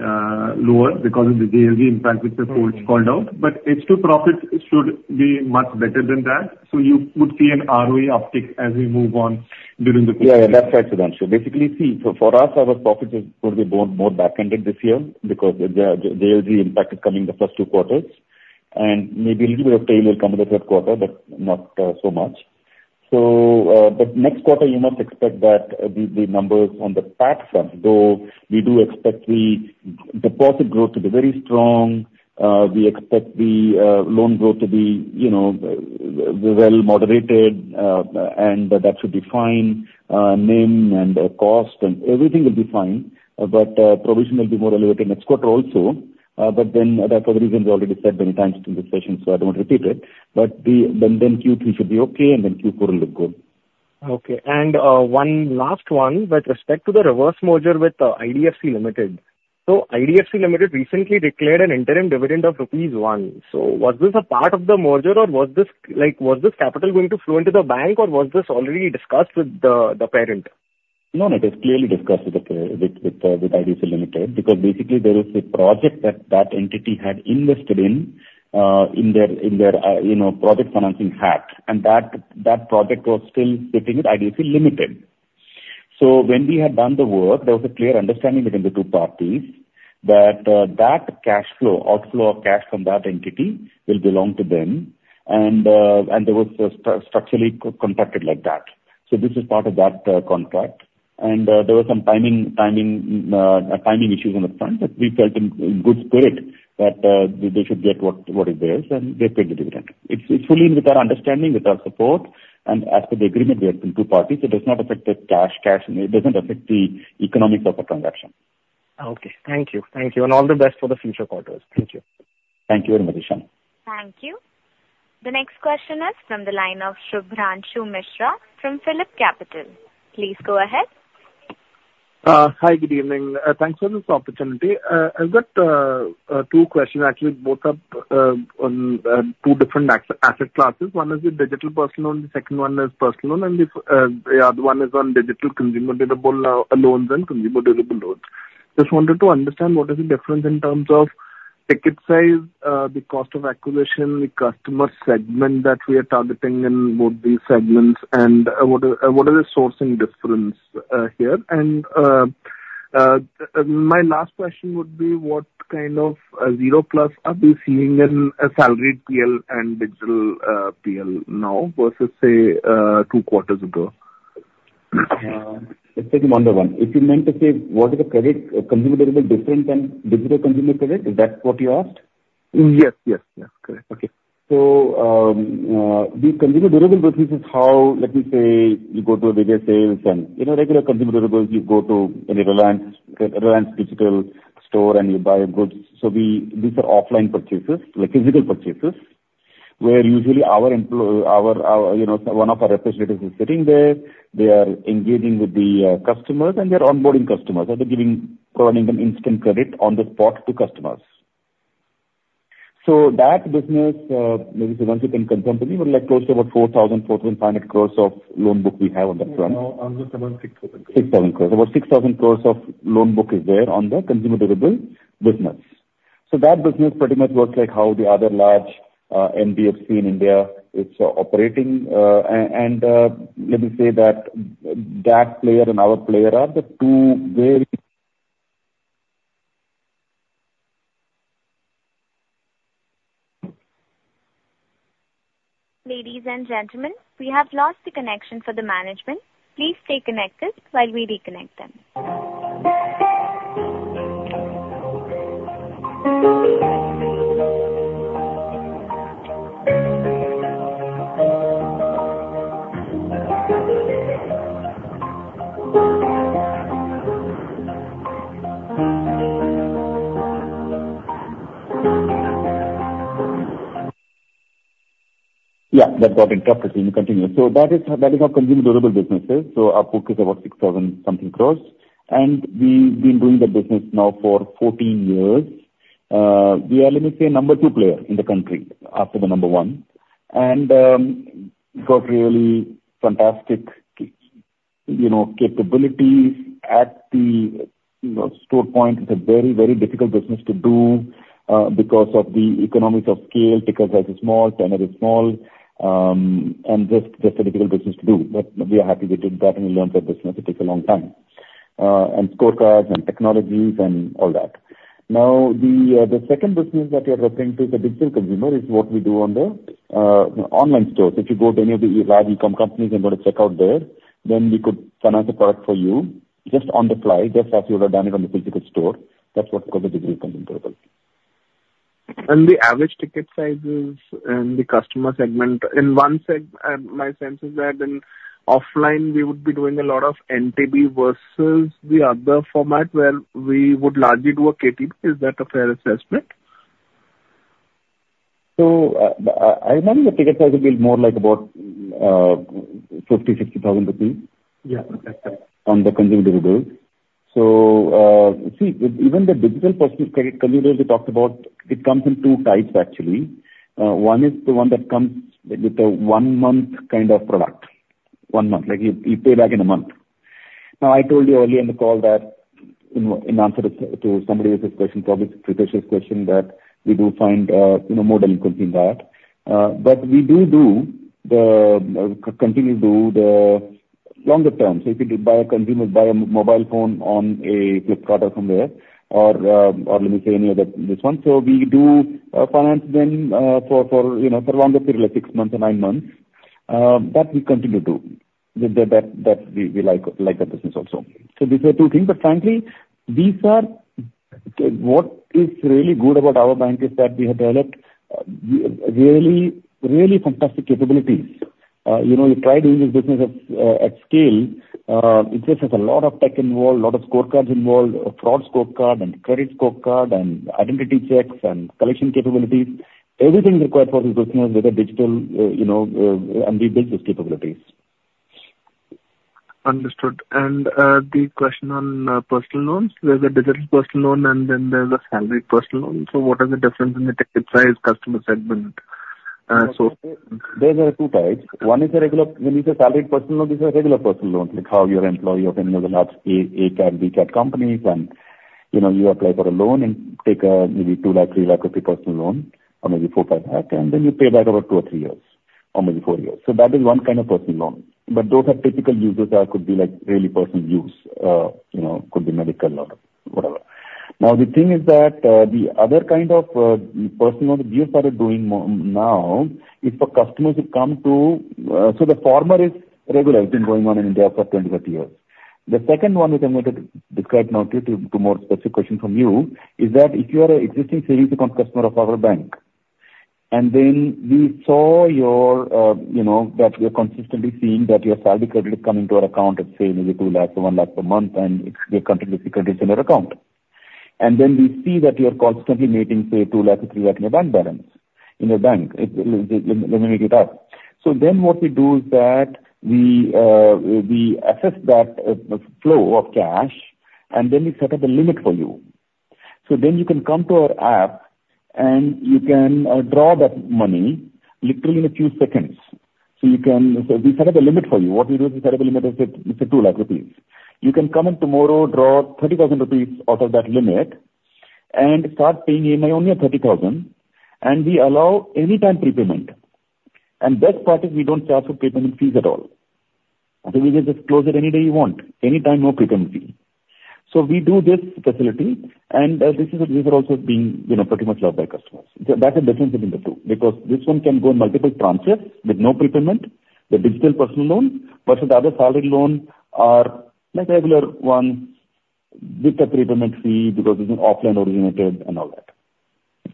Speaker 3: lower because of the JLG impact which has called out. H2 profits should be much better than that. You would see an ROE uptick as we move on during the quarter. Yeah, yeah. That's excellent. So basically, see, for us, our profits will be more back-ended this year because the JLG impact is coming the first two quarters. And maybe a little bit of tail will come in the third quarter, but not so much. But next quarter, you must expect that the numbers on the platform, though we do expect the deposit growth to be very strong. We expect the loan growth to be well moderated, and that should be fine. NIM and cost and everything will be fine. But provision will be more elevated next quarter also. But then that's for the reason we already said many times in this session, so I don't want to repeat it. But then Q3 should be okay, and then Q4 will look good. Okay. And one last one, with respect to the reverse merger with IDFC Limited. IDFC Limited recently declared an interim dividend of rupees 1. So was this a part of the merger, or was this capital going to flow into the bank, or was this already discussed with the parent? No, it is clearly discussed with IDFC Limited because basically, there is a project that that entity had invested in in their project financing hat. And that project was still sitting with IDFC Limited. So when we had done the work, there was a clear understanding between the two parties that that cash flow, outflow of cash from that entity will belong to them. And there was structurally contracted like that. So this is part of that contract. And there were some timing issues on the front, but we felt in good spirit that they should get what is theirs, and they paid the dividend. It's fully in with our understanding, with our support. As per the agreement, we are two parties. It does not affect the cash. It doesn't affect the economics of our transaction.
Speaker 9: Okay. Thank you. Thank you. All the best for the future quarters. Thank you.
Speaker 3: Thank you very much, Ishan.
Speaker 1: Thank you. The next question is from the line of Shubhranshu Mishra from Philip Capital. Please go ahead.
Speaker 10: Hi. Good evening. Thanks for this opportunity. I've got two questions, actually, both up on two different asset classes. One is a digital personal loan. The second one is personal loan. And the other one is on digital consumer loans and consumer durable loans. Just wanted to understand what is the difference in terms of ticket size, the cost of acquisition, the customer segment that we are targeting in both these segments, and what is the sourcing difference here. My last question would be, what kind of zero plus are we seeing in salary PL and digital PL now versus, say, two quarters ago? Let's take one by one. If you meant to say, what is the credit consumer durable different than digital consumer credit? Is that what you asked?
Speaker 3: Yes. Yes. Yes. Correct. Okay. So the consumer durable business is how, let me say, you go to a bigger sales and regular consumer durables, you go to a Reliance Digital store and you buy goods. So these are offline purchases, like physical purchases, where usually our employee, one of our representatives is sitting there. They are engaging with the customers, and they're onboarding customers. So they're providing them instant credit on the spot to customers. So that business, maybe once you can confirm to me, but close to about 4,000 crore-4,500 crore of loan book we have on the front. No, no. On the 7, 6,000 crore. 6,000 crore. About 6,000 crore of loan book is there on the consumer durable business. So that business pretty much works like how the other large NBFC in India is operating. And let me say that that player and our player are the two very.
Speaker 1: Ladies and gentlemen, we have lost the connection for the management. Please stay connected while we reconnect them.
Speaker 3: Yeah. That got interrupted. You can continue. So that is how consumer durable business is. So our book is about 6,000-something crore. And we've been doing the business now for 14 years. We are, let me say, number two player in the country after the number one. Got really fantastic capabilities at the store point. It's a very, very difficult business to do because of the economies of scale. Ticket size is small. Tenor is small. And just a difficult business to do. But we are happy we did that and we learned that this business, it takes a long time. And scorecards and technologies and all that. Now, the second business that we are referring to is the digital consumer, is what we do on the online stores. If you go to any of the large e-comm companies and go to check out there, then we could finance a product for you just on the fly, just as you would have done it on the physical store. That's what we call the digital consumer durable.
Speaker 10: And the average ticket sizes and the customer segment, in one segment, my sense is that in offline, we would be doing a lot of NTB versus the other format where we would largely do a ETB. Is that a fair assessment? So I imagine the ticket size would be more like about 50,000-60,000 rupees on the consumer durables. So see, even the digital consumer durables we talked about, it comes in two types, actually. One is the one that comes with a one-month kind of product. One month. You pay back in a month. Now, I told you earlier in the call that in answer to somebody's question, probably a pretextual question, that we do find more delinquency in that. But we do continue to do the longer term.
Speaker 3: So if you buy as a consumer, buy a mobile phone on Flipkart or somewhere, or let me say any other this one. So we do finance them for a longer period, like six months or nine months. That we continue to do. That we like our business also.
Speaker 10: So these are two things. But frankly, what is really good about our bank is that we have developed really fantastic capabilities. You try doing this business at scale, it just has a lot of tech involved, a lot of scorecards involved, a fraud scorecard and credit scorecard and identity checks and collection capabilities. Everything is required for this business with a digital and we build those capabilities. Understood. And the question on personal loans, there's a digital personal loan and then there's a salary personal loan. So what is the difference in the ticket size, customer segment?
Speaker 3: There are two types. One is a regular, when you say salary personal loan, this is a regular personal loan, like how your employee of any of the large A-Cat, B-Cat companies, and you apply for a loan and take a maybe 2 lakh, 3 lakh rupee personal loan, or maybe 4, 5 lakh, and then you pay back over 2 or 3 years, or maybe 4 years. So that is one kind of personal loan. But those are typical uses that could be like really personal use, could be medical or whatever. Now, the thing is that the other kind of personal loan that we have started doing now is for customers who come to so the former is regular. It's been going on in India for 20, 30 years. The second one which I'm going to describe now to you, to more specific questions from you, is that if you are an existing savings account customer of our bank, and then we saw that we are consistently seeing that your salary credit is coming to our account at, say, maybe 2 lakh or 1 lakh per month, and we are continuously crediting to your account. And then we see that you are constantly making, say, 2 lakh or 3 lakh in your bank balance in your bank. Let me make it up. So then what we do is that we assess that flow of cash, and then we set up a limit for you. So then you can come to our app, and you can draw that money literally in a few seconds. So we set up a limit for you. What we do is we set up a limit of, let's say, 2 lakh rupees. You can come in tomorrow, draw 30,000 rupees out of that limit, and start paying in only 30,000. And we allow anytime prepayment. And best part is we don't charge for prepayment fees at all. So we can just close it any day you want, anytime, no prepayment fee. So we do this facility, and this is also being pretty much loved by customers. That's the difference between the two because this one can go in multiple tranches with no prepayment, the digital personal loan, versus the other salary loan are like regular ones with a prepayment fee because it's offline originated and all that.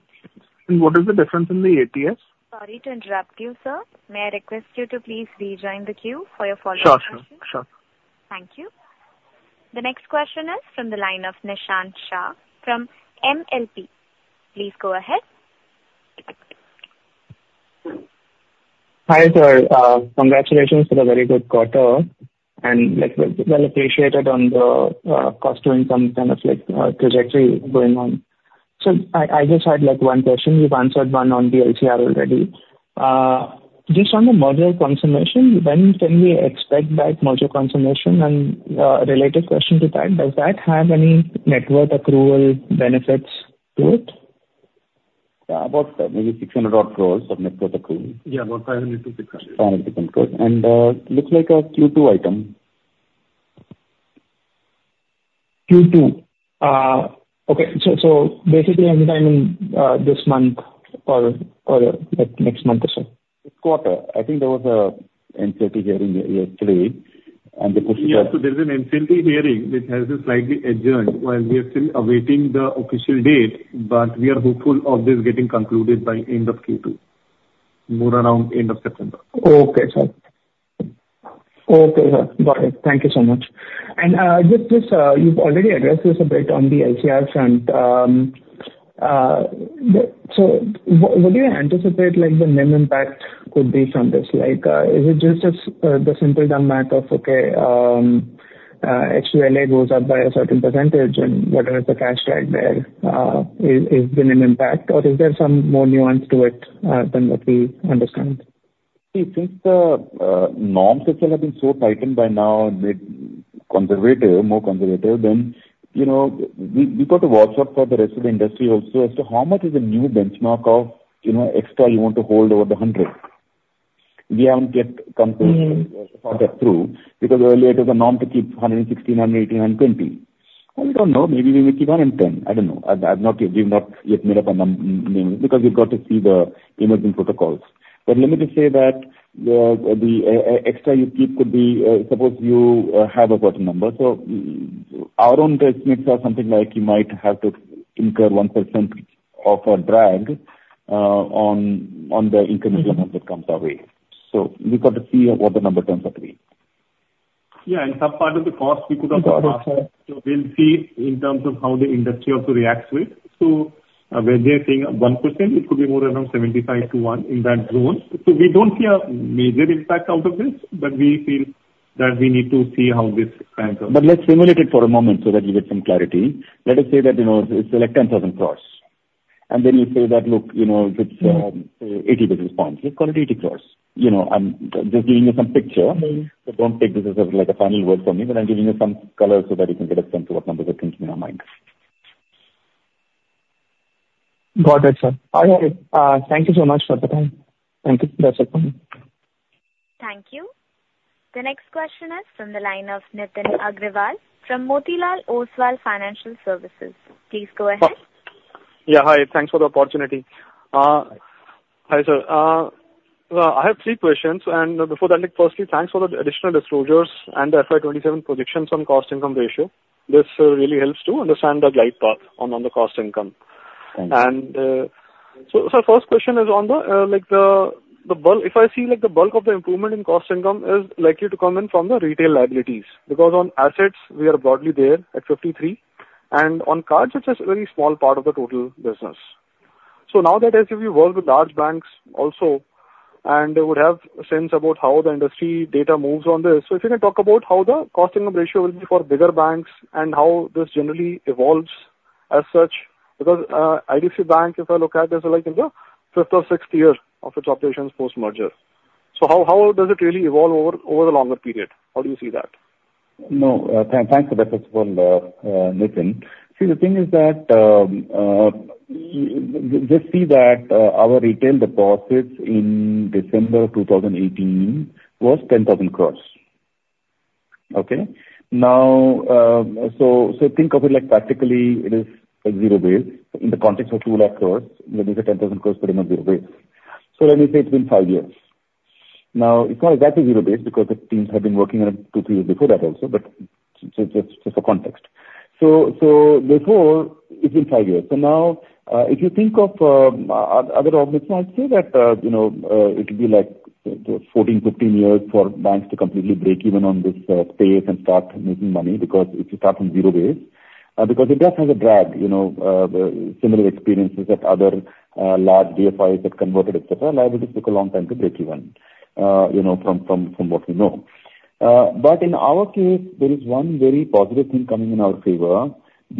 Speaker 3: And what is the difference in the ATS? Sorry to interrupt you, sir. May I request you to please rejoin the queue for your follow-up question? Sure. Sure. Sure.
Speaker 1: Thank you. The next question is from the line of Nishant Shah from Millennium Management. Please go ahead.
Speaker 11: Hi, sir. Congratulations for a very good quarter. And well appreciated on the cost to income kind of trajectory going on. So I just had one question. You've answered one on the LCR already. Just on the merger consummation, when can we expect that merger consummation? And a related question to that, does that have any network accrual benefits to it? About maybe 600-odd crore of network accrual. Yeah, about 500 crore-600 crore. 500 crore-600 crore. And it looks like a Q2 item. Q2. Okay. So basically, anytime in this month or next month or so? This quarter, I think there was an NCLT hearing here yesterday, and they pushed it out. Yeah.
Speaker 3: So there's an NCLT hearing which has slightly adjourned while we are still awaiting the official date, but we are hopeful of this getting concluded by end of Q2, more around end of September.
Speaker 11: Okay. Sure. Okay. Sure. Got it. Thank you so much. And just you've already addressed this a bit on the LCR front. So what do you anticipate the NIM impact could be from this? Is it just the simple dumb act of, okay, HQLA goes up by a certain percentage, and whatever the cash drag there is the NIM impact? Or is there some more nuance to it than what we understand?
Speaker 3: See, since the norms have been so tightened by now and made more conservative, then we got to watch out for the rest of the industry also as to how much is the new benchmark of extra you want to hold over the 100. We haven't yet come to sort that through because earlier, it was a norm to keep 116, 118, 120. We don't know. Maybe we will keep 110. I don't know. We've not yet made up a number because we've got to see the emerging protocols. But let me just say that the extra you keep could be, suppose you have a certain number. So our own estimates are something like you might have to incur 1% of a drag on the incremental amount that comes our way. So we've got to see what the number turns out to be. Yeah. And some part of the cost, we could also talk about. So we'll see in terms of how the industry also reacts to it. So when they're saying 1%, it could be more around 75 to 1 in that zone. So we don't see a major impact out of this, but we feel that we need to see how this expands. But let's simulate it for a moment so that we get some clarity. Let us say that it's like 10,000 crore. And then you say that, "Look, it's 80 basis points." Let's call it 80 crore. I'm just giving you some picture. So don't take this as a final word from me, but I'm giving you some colors so that you can get a sense of what numbers are printing in our mind.
Speaker 11: Got it, sir. All right. Thank you so much for the time. Thank you. That's it for me.
Speaker 1: Thank you. The next question is from the line of Nitin Aggarwal from Motilal Oswal Financial Services. Please go ahead.
Speaker 12: Yeah. Hi. Thanks for the opportunity. Hi, sir. I have three questions.
Speaker 13: Before that, firstly, thanks for the additional disclosures and the FY27 projections on cost income ratio. This really helps to understand the glide path on the cost income. So first question is on the bulk, if I see the bulk of the improvement in cost income is likely to come in from the retail liabilities because on assets, we are broadly there at 53%. On cards, it's a very small part of the total business. So now that as if you work with large banks also and would have a sense about how the industry data moves on this, so if you can talk about how the cost income ratio will be for bigger banks and how this generally evolves as such because IDFC FIRST Bank, if I look at it, it's like in the fifth or sixth year of its operations post-merger.
Speaker 12: So how does it really evolve over the longer period? How do you see that?
Speaker 3: No. Thanks for that, Nithin. See, the thing is that just see that our retail deposits in December 2018 was 10,000 crore. Okay? So think of it like practically, it is zero-based in the context of 2 lakh crore. When you say 10,000 crore, put in a zero-base. So let me say it's been five years. Now, it's not exactly zero-based because the teams have been working on it two, three years before that also, but just for context. So before, it's been five years. So now, if you think of other organizations, I'd say that it would be like 14-15 years for banks to completely break even on this space and start making money because if you start from zero-base, because it does have a drag, similar experiences at other large DFIs that converted, etc. Liabilities took a long time to break even from what we know. But in our case, there is one very positive thing coming in our favor because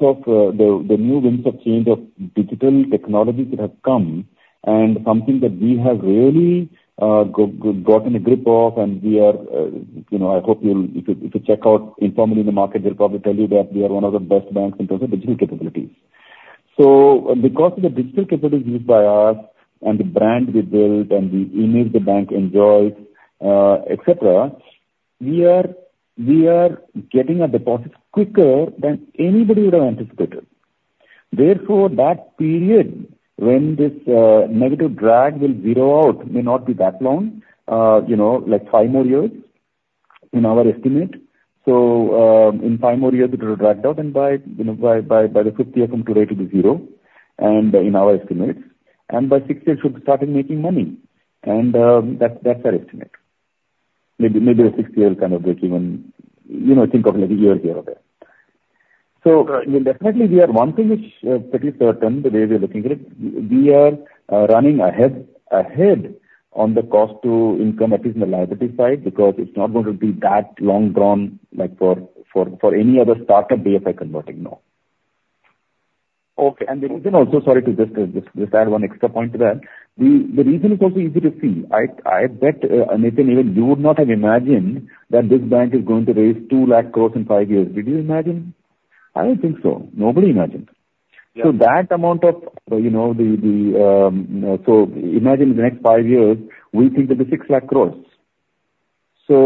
Speaker 3: of the new winds of change of digital technologies that have come and something that we have really gotten a grip of. And I hope if you check out informally in the market, they'll probably tell you that we are one of the best banks in terms of digital capabilities. So because of the digital capabilities used by us and the brand we built and the image the bank enjoys, etc., we are getting our deposits quicker than anybody would have anticipated. Therefore, that period when this negative drag will zero out may not be that long, like 5 more years in our estimate. So in 5 more years, it will drag out and by the fifth year from today to be zero in our estimates. And by sixth year, it should be starting making money. And that's our estimate. Maybe the sixth year will kind of break even. Think of it like a year here or there. So definitely, we are one thing is pretty certain the way we're looking at it. We are running ahead on the cost to income, at least on the liability side because it's not going to be that long drawn for any other startup DFI converting, no. The reason also, sorry to just add one extra point to that, the reason is also easy to see. I bet, Nithin, even you would not have imagined that this bank is going to raise 2 lakh crore in five years. Did you imagine? I don't think so. Nobody imagined. That amount of the so imagine in the next five years, we think that it's 6 lakh crore. So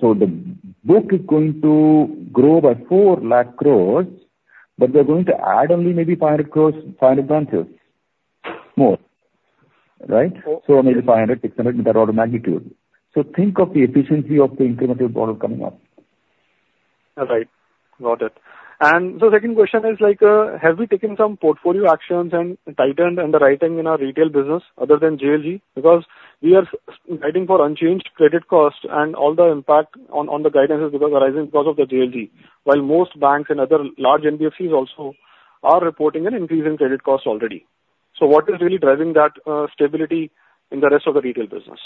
Speaker 3: the book is going to grow by 4 lakh crore, but they're going to add only maybe 500 crore, 500 branches more. Right? So maybe 500, 600 in that order of magnitude. So think of the efficiency of the incremental model coming up. Right. Got it.
Speaker 12: Second question is, have we taken some portfolio actions and tightened the writing in our retail business other than JLG? Because we are writing for unchanged credit cost and all the impact on the guidance is arising because of the JLG, while most banks and other large NBFCs also are reporting an increase in credit cost already. So what is really driving that stability in the rest of the retail business?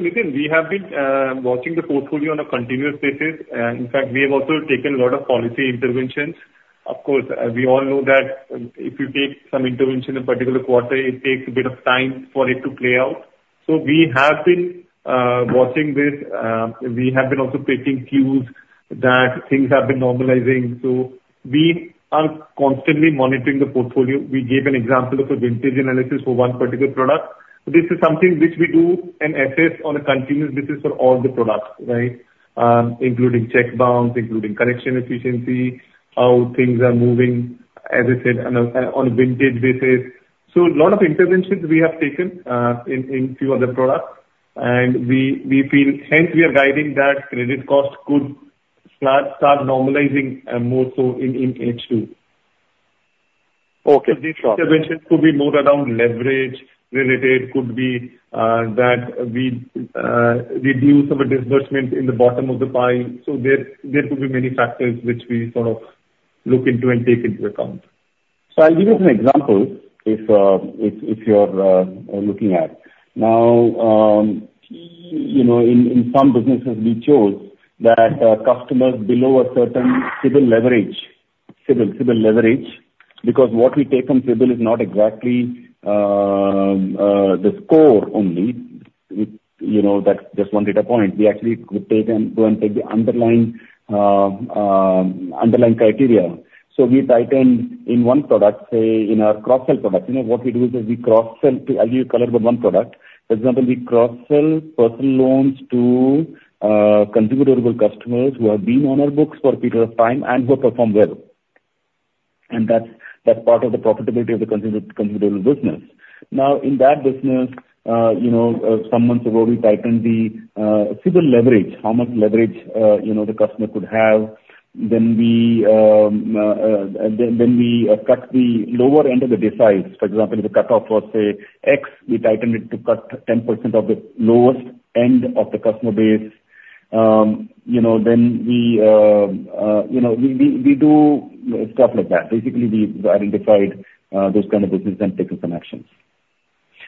Speaker 5: Nithin, we have been watching the portfolio on a continuous basis. In fact, we have also taken a lot of policy interventions. Of course, we all know that if you take some intervention in a particular quarter, it takes a bit of time for it to play out. We have been watching this. We have been also taking cues that things have been normalizing. We are constantly monitoring the portfolio. We gave an example of a vintage analysis for one particular product. This is something which we do and assess on a continuous basis for all the products, right, including check balance, including correction efficiency, how things are moving, as I said, on a vintage basis. So a lot of interventions we have taken in a few other products. And hence, we are guiding that credit cost could start normalizing more so in H2. So these interventions could be more around leverage related, could be that we reduce our disbursement in the bottom of the pile. So there could be many factors which we sort of look into and take into account. So I'll give you some examples if you're looking at. Now, in some businesses, we chose that customers below a certain CIBIL leverage because what we take on CIBIL is not exactly the score only.
Speaker 3: That's one data point. We actually go and take the underlying criteria. So we tightened in one product, say, in our cross-sell product. What we do is we cross-sell too. I'll give you a color for one product. For example, we cross-sell personal loans to consumer durable customers who have been on our books for a period of time and who have performed well. And that's part of the profitability of the consumer durable business. Now, in that business, some months ago, we tightened the credit leverage, how much leverage the customer could have. Then we cut the lower end of the deciles. For example, if the cutoff was, say, X, we tightened it to cut 10% of the lowest end of the customer base. Then we do stuff like that. Basically, we identified those kind of businesses and taken some actions.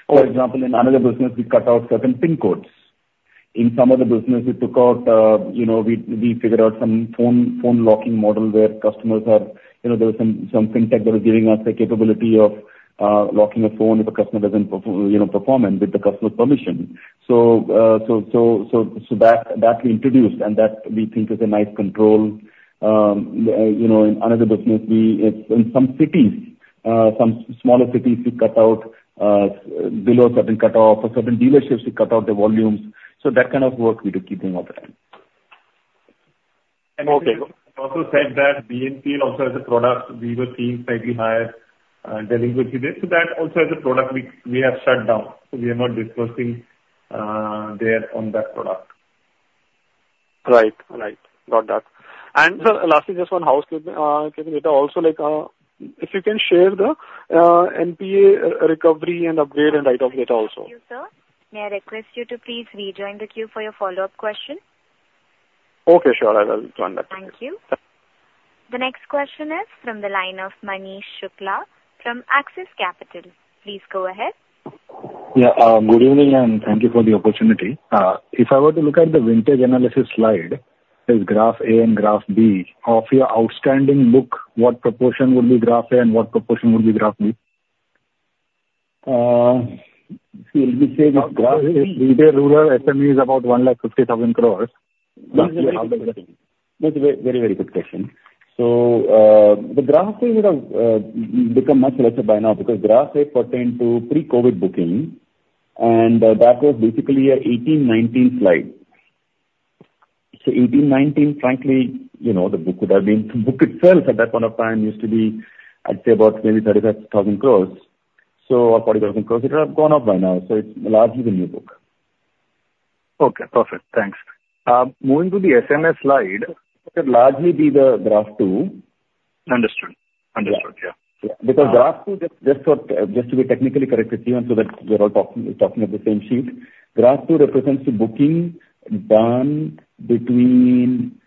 Speaker 3: For example, in another business, we cut out certain PIN codes. In some other business, we figured out some phone locking model where there was some fintech that was giving us the capability of locking a phone if a customer doesn't perform with the customer's permission. So that we introduced, and that we think is a nice control. In another business, in some cities, some smaller cities, we cut out below a certain cutoff. For certain dealerships, we cut out the volumes. So that kind of work, we do keep doing all the time. And also, said that BNPL also has a product. We were seeing slightly higher delinquency. So that product also, we have shut down. So we are not disbursing there on that product.
Speaker 12: Right. Right. Got that. And sir, lastly, just one housekeeping item.
Speaker 13: Also, if you can share the NPA recovery and upgrade and write-up data also.
Speaker 1: Thank you, sir. May I request you to please rejoin the queue for your follow-up question?
Speaker 12: Okay. Sure. I will join that.
Speaker 1: Thank you. The next question is from the line of Manish Shukla from Axis Capital. Please go ahead.
Speaker 14: Yeah. Good evening, and thank you for the opportunity. If I were to look at the vintage analysis slide, there's graph A and graph B of your outstanding book. What proportion would be graph A and what proportion would be graph B?
Speaker 3: See, let me say this graph is retail rural. SME is about INR 150,000 crore. That's a very, very good question. So the graph A would have become much lesser by now because graph A pertained to pre-COVID booking, and that was basically a 18-19 slide. So, 18-19, frankly, the book would have been the book itself at that point of time used to be, I'd say, about maybe 35,000 crore. So 40,000 crore would have gone up by now. So it's largely the new book. Okay. Perfect. Thanks. Moving to the next slide, it would largely be Graph 2. Understood. Understood. Yeah. Because Graph 2, just to be technically correct with you and so that we're all talking on the same page, Graph 2 represents the booking done between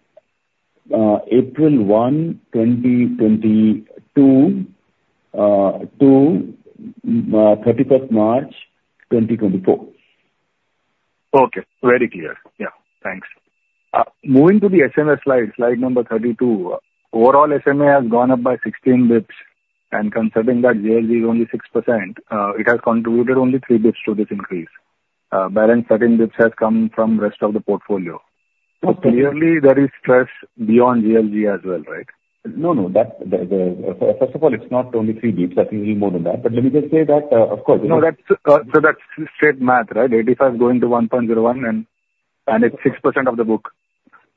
Speaker 3: April 1, 2022, to 31st March 2024.
Speaker 14: Okay. Very clear. Yeah. Thanks. Moving to the next slide, Slide 32, overall SMA has gone up by 16 basis points. And considering that JLG is only 6%, it has contributed only 3 basis points to this increase. Balance 13 basis points has come from the rest of the portfolio. So clearly, there is stress beyond JLG as well, right?
Speaker 3: No, no. First of all, it's not only 3 bps. I think it's more than that. But let me just say that, of course. So that's straight math, right? 85 going to 1.01, and it's 6% of the book.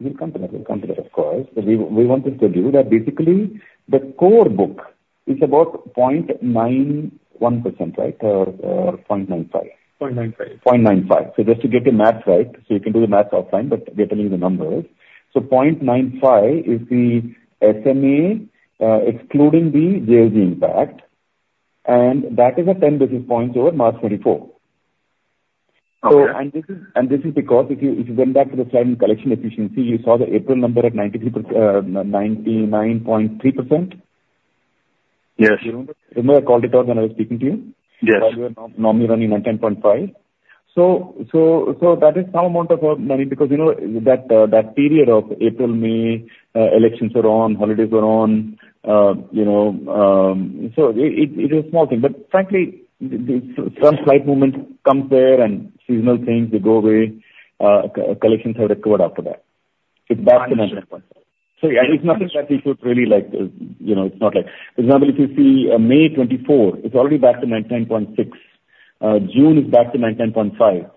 Speaker 3: We'll come to that. We'll come to that, of course. We wanted to do that. Basically, the core book is about 0.91%, right? Or 0.95%? 0.95%. 0.95%. So just to get the math right, so you can do the math offline, but we're telling you the numbers. So 0.95% is the SMA excluding the JLG impact. And that is 10 basis points over March 2024. And this is because if you went back to the slide in collection efficiency, you saw the April number at 99.3%. Remember I called it out when I was speaking to you? Yes. We were normally running on 10.5. So that is some amount of money because that period of April, May, elections are on, holidays are on. So it is a small thing. But frankly, some slight movement comes there and seasonal things, they go away. Collections have recovered after that. It's back to 99%. So it's nothing that we should really like to, it's not like. For example, if you see May 2024, it's already back to 99.6%. June is back to 99.5%.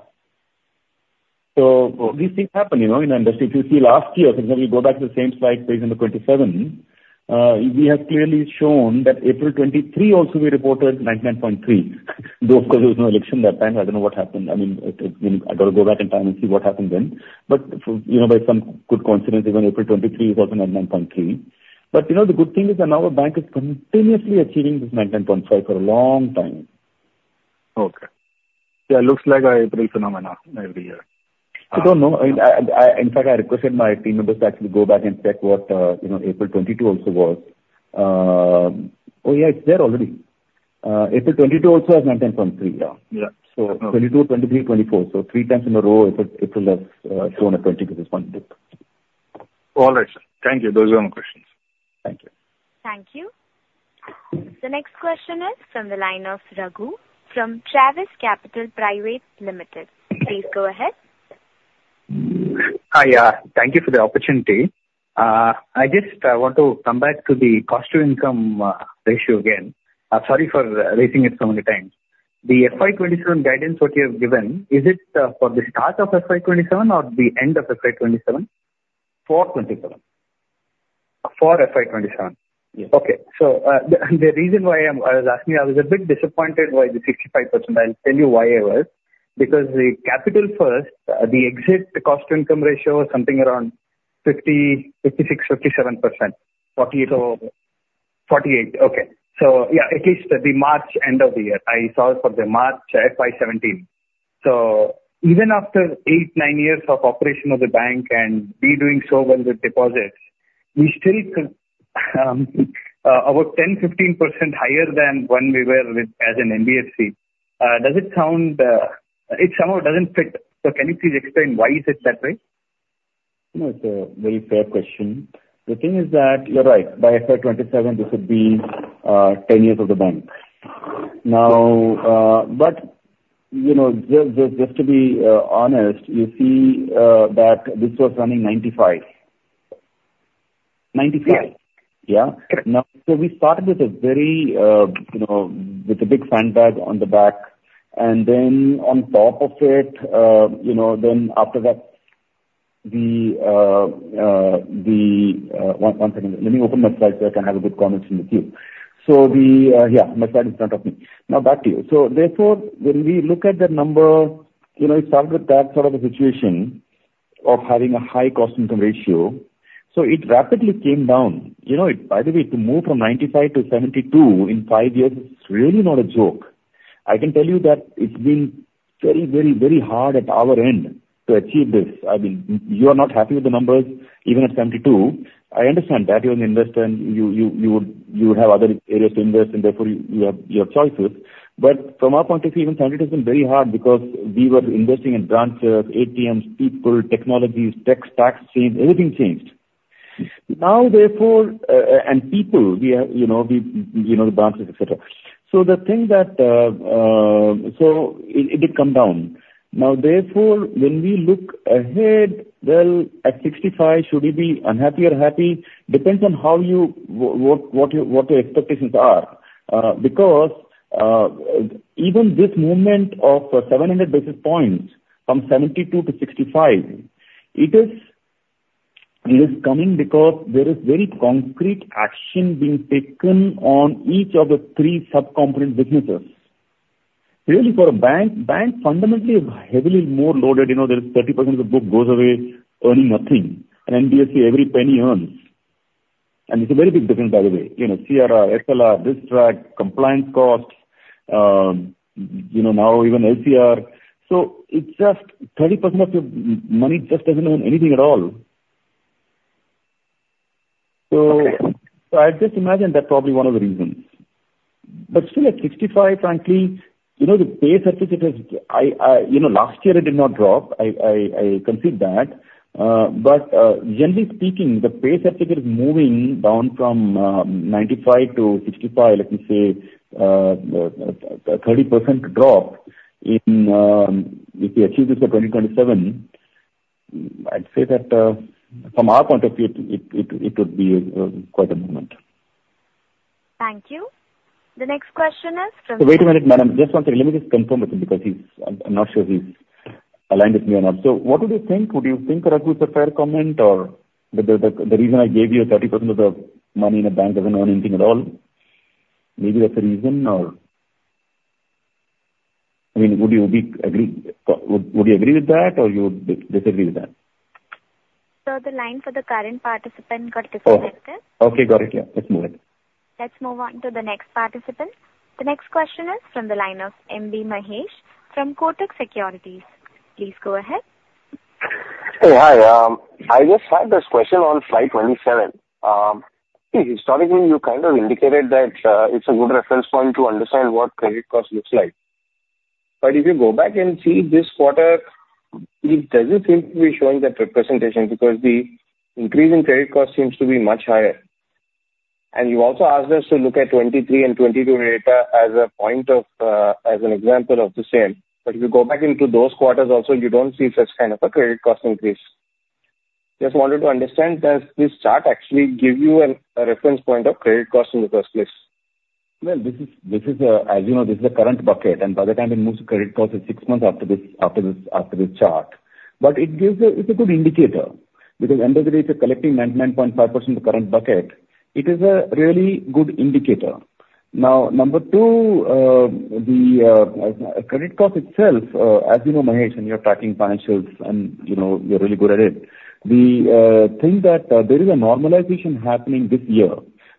Speaker 3: So these things happen in the industry. If you see last year, for example, you go back to the same slide, page number 27, we have clearly shown that April 2023 also we reported 99.3%. Though, of course, there was no election that time. I don't know what happened. I mean, I got to go back in time and see what happened then. But by some good coincidence, even April 2023 was also 99.3%. But the good thing is that now a bank is continuously achieving this 99.5 for a long time. Okay. Yeah. It looks like an April phenomenon every year. I don't know. In fact, I requested my team members to actually go back and check what April 2022 also was. Oh, yeah, it's there already. April 2022 also has 99.3. Yeah. So 2022, 2023, 2024. So three times in a row, April has shown a 20 basis point dip. All right, sir. Thank you. Those are my questions. Thank you.
Speaker 1: Thank you. The next question is from the line of Raghu from Trellis Capital Private Limited. Please go ahead.
Speaker 15: Hi. Thank you for the opportunity. I just want to come back to the cost to income ratio again. Sorry for raising it so many times. The FY27 guidance, what you have given, is it for the start of FY27 or the end of FY27? For FY27. For FY27. Yes. Okay. So the reason why I was asking, I was a bit disappointed by the 65%. I'll tell you why I was. Because the Capital First, the exit cost-to-income ratio was something around 56, 57%. 48. So 48.
Speaker 3: Okay. So yeah, at least the March end of the year, I saw for the March FY17. So even after 8, 9 years of operation of the bank and we doing so well with deposits, we still are about 10, 15% higher than when we were as an NBFC. Does it sound it somehow doesn't fit? So can you please explain why is it that way? No, it's a very fair question. The thing is that you're right. By FY27, this would be 10 years of the bank. Now, just to be honest, you see that this was running 95. 95. Yeah. So we started with a big sandbag on the back. And then on top of it, then after that, one second. Let me open my slides so I can have a good conversation with you. So yeah, my slide in front of me. Now back to you. So therefore, when we look at the number, it started with that sort of a situation of having a high cost-to-income ratio. So it rapidly came down. By the way, to move from 95 to 72 in 5 years is really not a joke. I can tell you that it's been very, very, very hard at our end to achieve this. I mean, you are not happy with the numbers, even at 72. I understand that you're an investor and you would have other areas to invest, and therefore you have choices. But from our point of view, even 72 has been very hard because we were investing in branches, ATMs, people, technologies, tech stacks changed. Everything changed. Now, therefore, and people, we have the branches, etc. So the thing that so it did come down. Now, therefore, when we look ahead, well, at 65, should we be unhappy or happy? Depends on what your expectations are. Because even this movement of 700 basis points from 72 to 65, it is coming because there is very concrete action being taken on each of the three subcomponent businesses. Really, for a bank, bank fundamentally is heavily more loaded. There is 30% of the book goes away earning nothing. An NBFC, every penny earns. And it's a very big difference, by the way. CRR, SLR, this track, compliance costs. Now, even LCR. So it's just 30% of your money just doesn't earn anything at all. So I just imagine that's probably one of the reasons. But still, at 65%, frankly, the CD ratio last year, it did not drop. I concede that. But generally speaking, the CD ratio is moving down from 95% to 65%, let me say, 30% drop, and if we achieve this for 2027, I'd say that from our point of view, it would be quite a movement. Thank you. The next question is from. So wait a minute, madam. Just one second. Let me just confirm with him because I'm not sure if he's aligned with me or not. So what would you think? Would you think Raghu is a fair comment or the reason I gave you 30% of the money in a bank doesn't earn anything at all? Maybe that's the reason or I mean, would you agree with that or you would disagree with that? Sir, the line for the current participant got disconnected. Oh, okay. Got it. Yeah. Let's move it. Let's move on to the next participant. The next question is from the line of MB Mahesh from Kotak Securities. Please go ahead. Oh, hi. I just had this question on slide 27. Historically, you kind of indicated that it's a good reference point to understand what credit cost looks like. But if you go back and see this quarter, it doesn't seem to be showing that representation because the increase in credit cost seems to be much higher. You also asked us to look at 2023 and 2022 data as an example of the same. But if you go back into those quarters also, you don't see such kind of a credit cost increase. Just wanted to understand, does this chart actually give you a reference point of credit cost in the first place? Well, this is a, as you know, this is a current bucket. And by the time it moves to credit cost, it's six months after this chart. But it's a good indicator because under the rate of collecting 99.5% of the current bucket, it is a really good indicator. Now, number two, the credit cost itself, as you know, Mahesh, and you're tracking financials, and you're really good at it. We think that there is a normalization happening this year.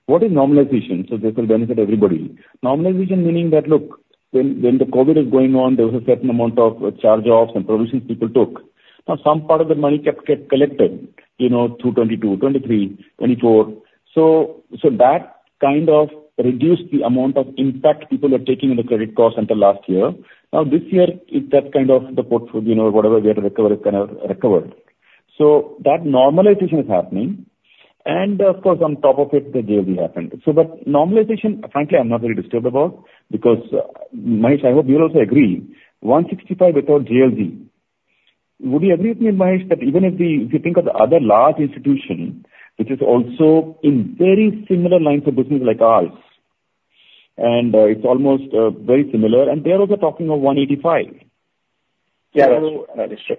Speaker 3: What is normalization? So this will benefit everybody. Normalization meaning that, look, when the COVID was going on, there was a certain amount of charge-offs and provisions people took. Now, some part of the money kept collected through 2022, 2023, 2024. So that kind of reduced the amount of impact people were taking on the credit cost until last year. Now, this year, it's that kind of the portfolio, whatever we had to recover, it kind of recovered. So that normalization is happening. And of course, on top of it, the JLG happened. So that normalization, frankly, I'm not very disturbed about because, Mahesh, I hope you'll also agree, 165 without JLG. Would you agree with me, Mahesh, that even if you think of the other large institution, which is also in very similar lines of business like ours, and it's almost very similar, and they're also talking of 185? Yeah. That is true.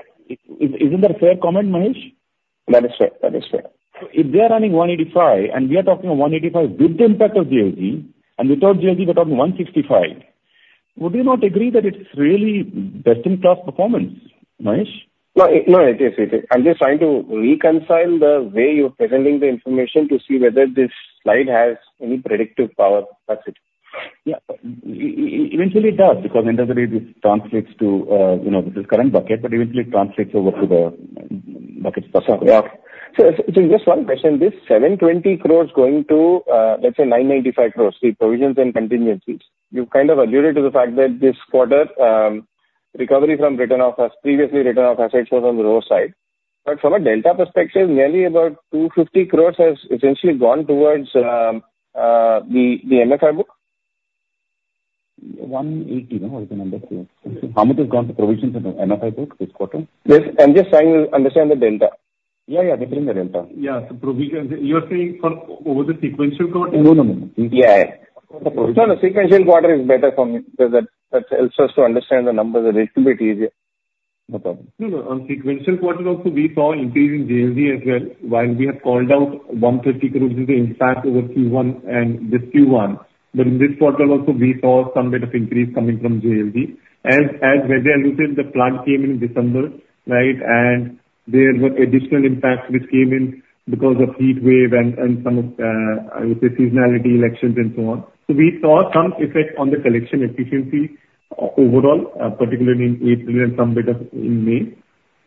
Speaker 3: Isn't that a fair comment, Mahesh? That is fair. That is fair. If they're running 185, and we are talking of 185 with the impact of JLG, and without JLG, we're talking 165, would you not agree that it's really best-in-class performance, Mahesh? No, it is. I'm just trying to reconcile the way you're presenting the information to see whether this slide has any predictive power. That's it. Yeah. Eventually, it does because end of the day, this translates to this is current bucket, but eventually, it translates over to the bucket. So just one question. This 720 crore going to, let's say, 995 crore, the provisions and contingencies. You've kind of alluded to the fact that this quarter, recovery from written-off, previously written-off assets was on the lower side. But from a delta perspective, nearly about 250 crore has essentially gone towards the MFI book? 180 crore, no? Or is the number closer? How much has gone to provisions and MFI book this quarter? I'm just trying to understand the delta. Yeah, yeah. Between the delta. Yeah. So provisions, you're saying for over the sequential quarter? No, no, no. Yeah. No, the sequential quarter is better for me because that helps us to understand the numbers. It should be a bit easier. No problem. No, no. On sequential quarter also, we saw increase in JLG as well. While we have called out 130 crore is the impact over Q1 and this Q1. But in this quarter also, we saw some bit of increase coming from JLG. As Vijay alluded, the plan came in December, right? And there were additional impacts which came in because of heat wave and some of, I would say, seasonality elections and so on. So we saw some effect on the collection efficiency overall, particularly in April and some bit of in May.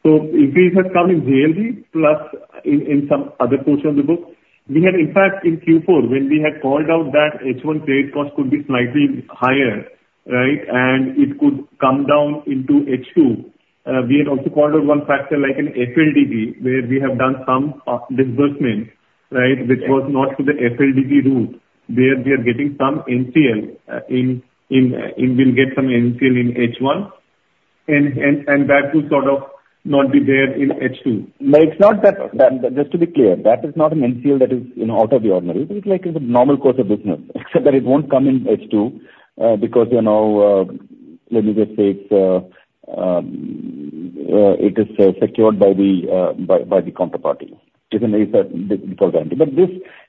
Speaker 3: So increase has come in JLG plus in some other portion of the book. We had, in fact, in Q4, when we had called out that H1 credit cost could be slightly higher, right? And it could come down into H2. We had also called out one factor like an FLDG, where we have done some disbursement, right? Which was not to the FLDG route, where we are getting some NCL, and we'll get some NCL in H1. And that will sort of not be there in H2. But it's not that just to be clear, that is not an NCL that is out of the ordinary. It's like a normal course of business. Except that it won't come in H2 because let me just say it is secured by the counterparty. It's a default guarantee. But this,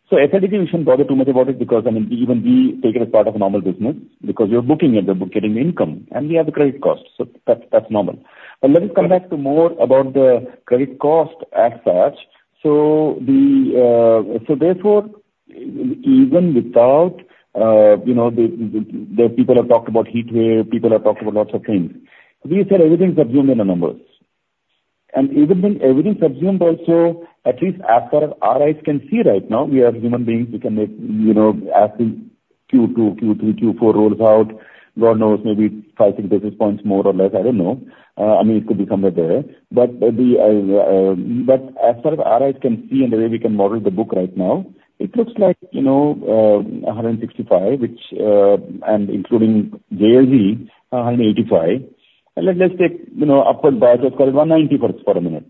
Speaker 3: so FLDG, we shouldn't bother too much about it because, I mean, even we take it as part of normal business because you're booking it, you're getting the income, and we have the credit cost. So that's normal. But let me come back to more about the credit cost as such. So therefore, even without the people have talked about heat wave, people have talked about lots of things. We said everything's subsumed in the numbers. And even everything's subsumed also, at least as far as our eyes can see right now, we are human beings. We can make as Q2, Q3, Q4 rolls out, God knows, maybe five, six basis points more or less. I don't know. I mean, it could be somewhere there. But as far as our eyes can see and the way we can model the book right now, it looks like 165, which, and including JLG, 185. Let's take upward bias. Let's call it 190 for a minute.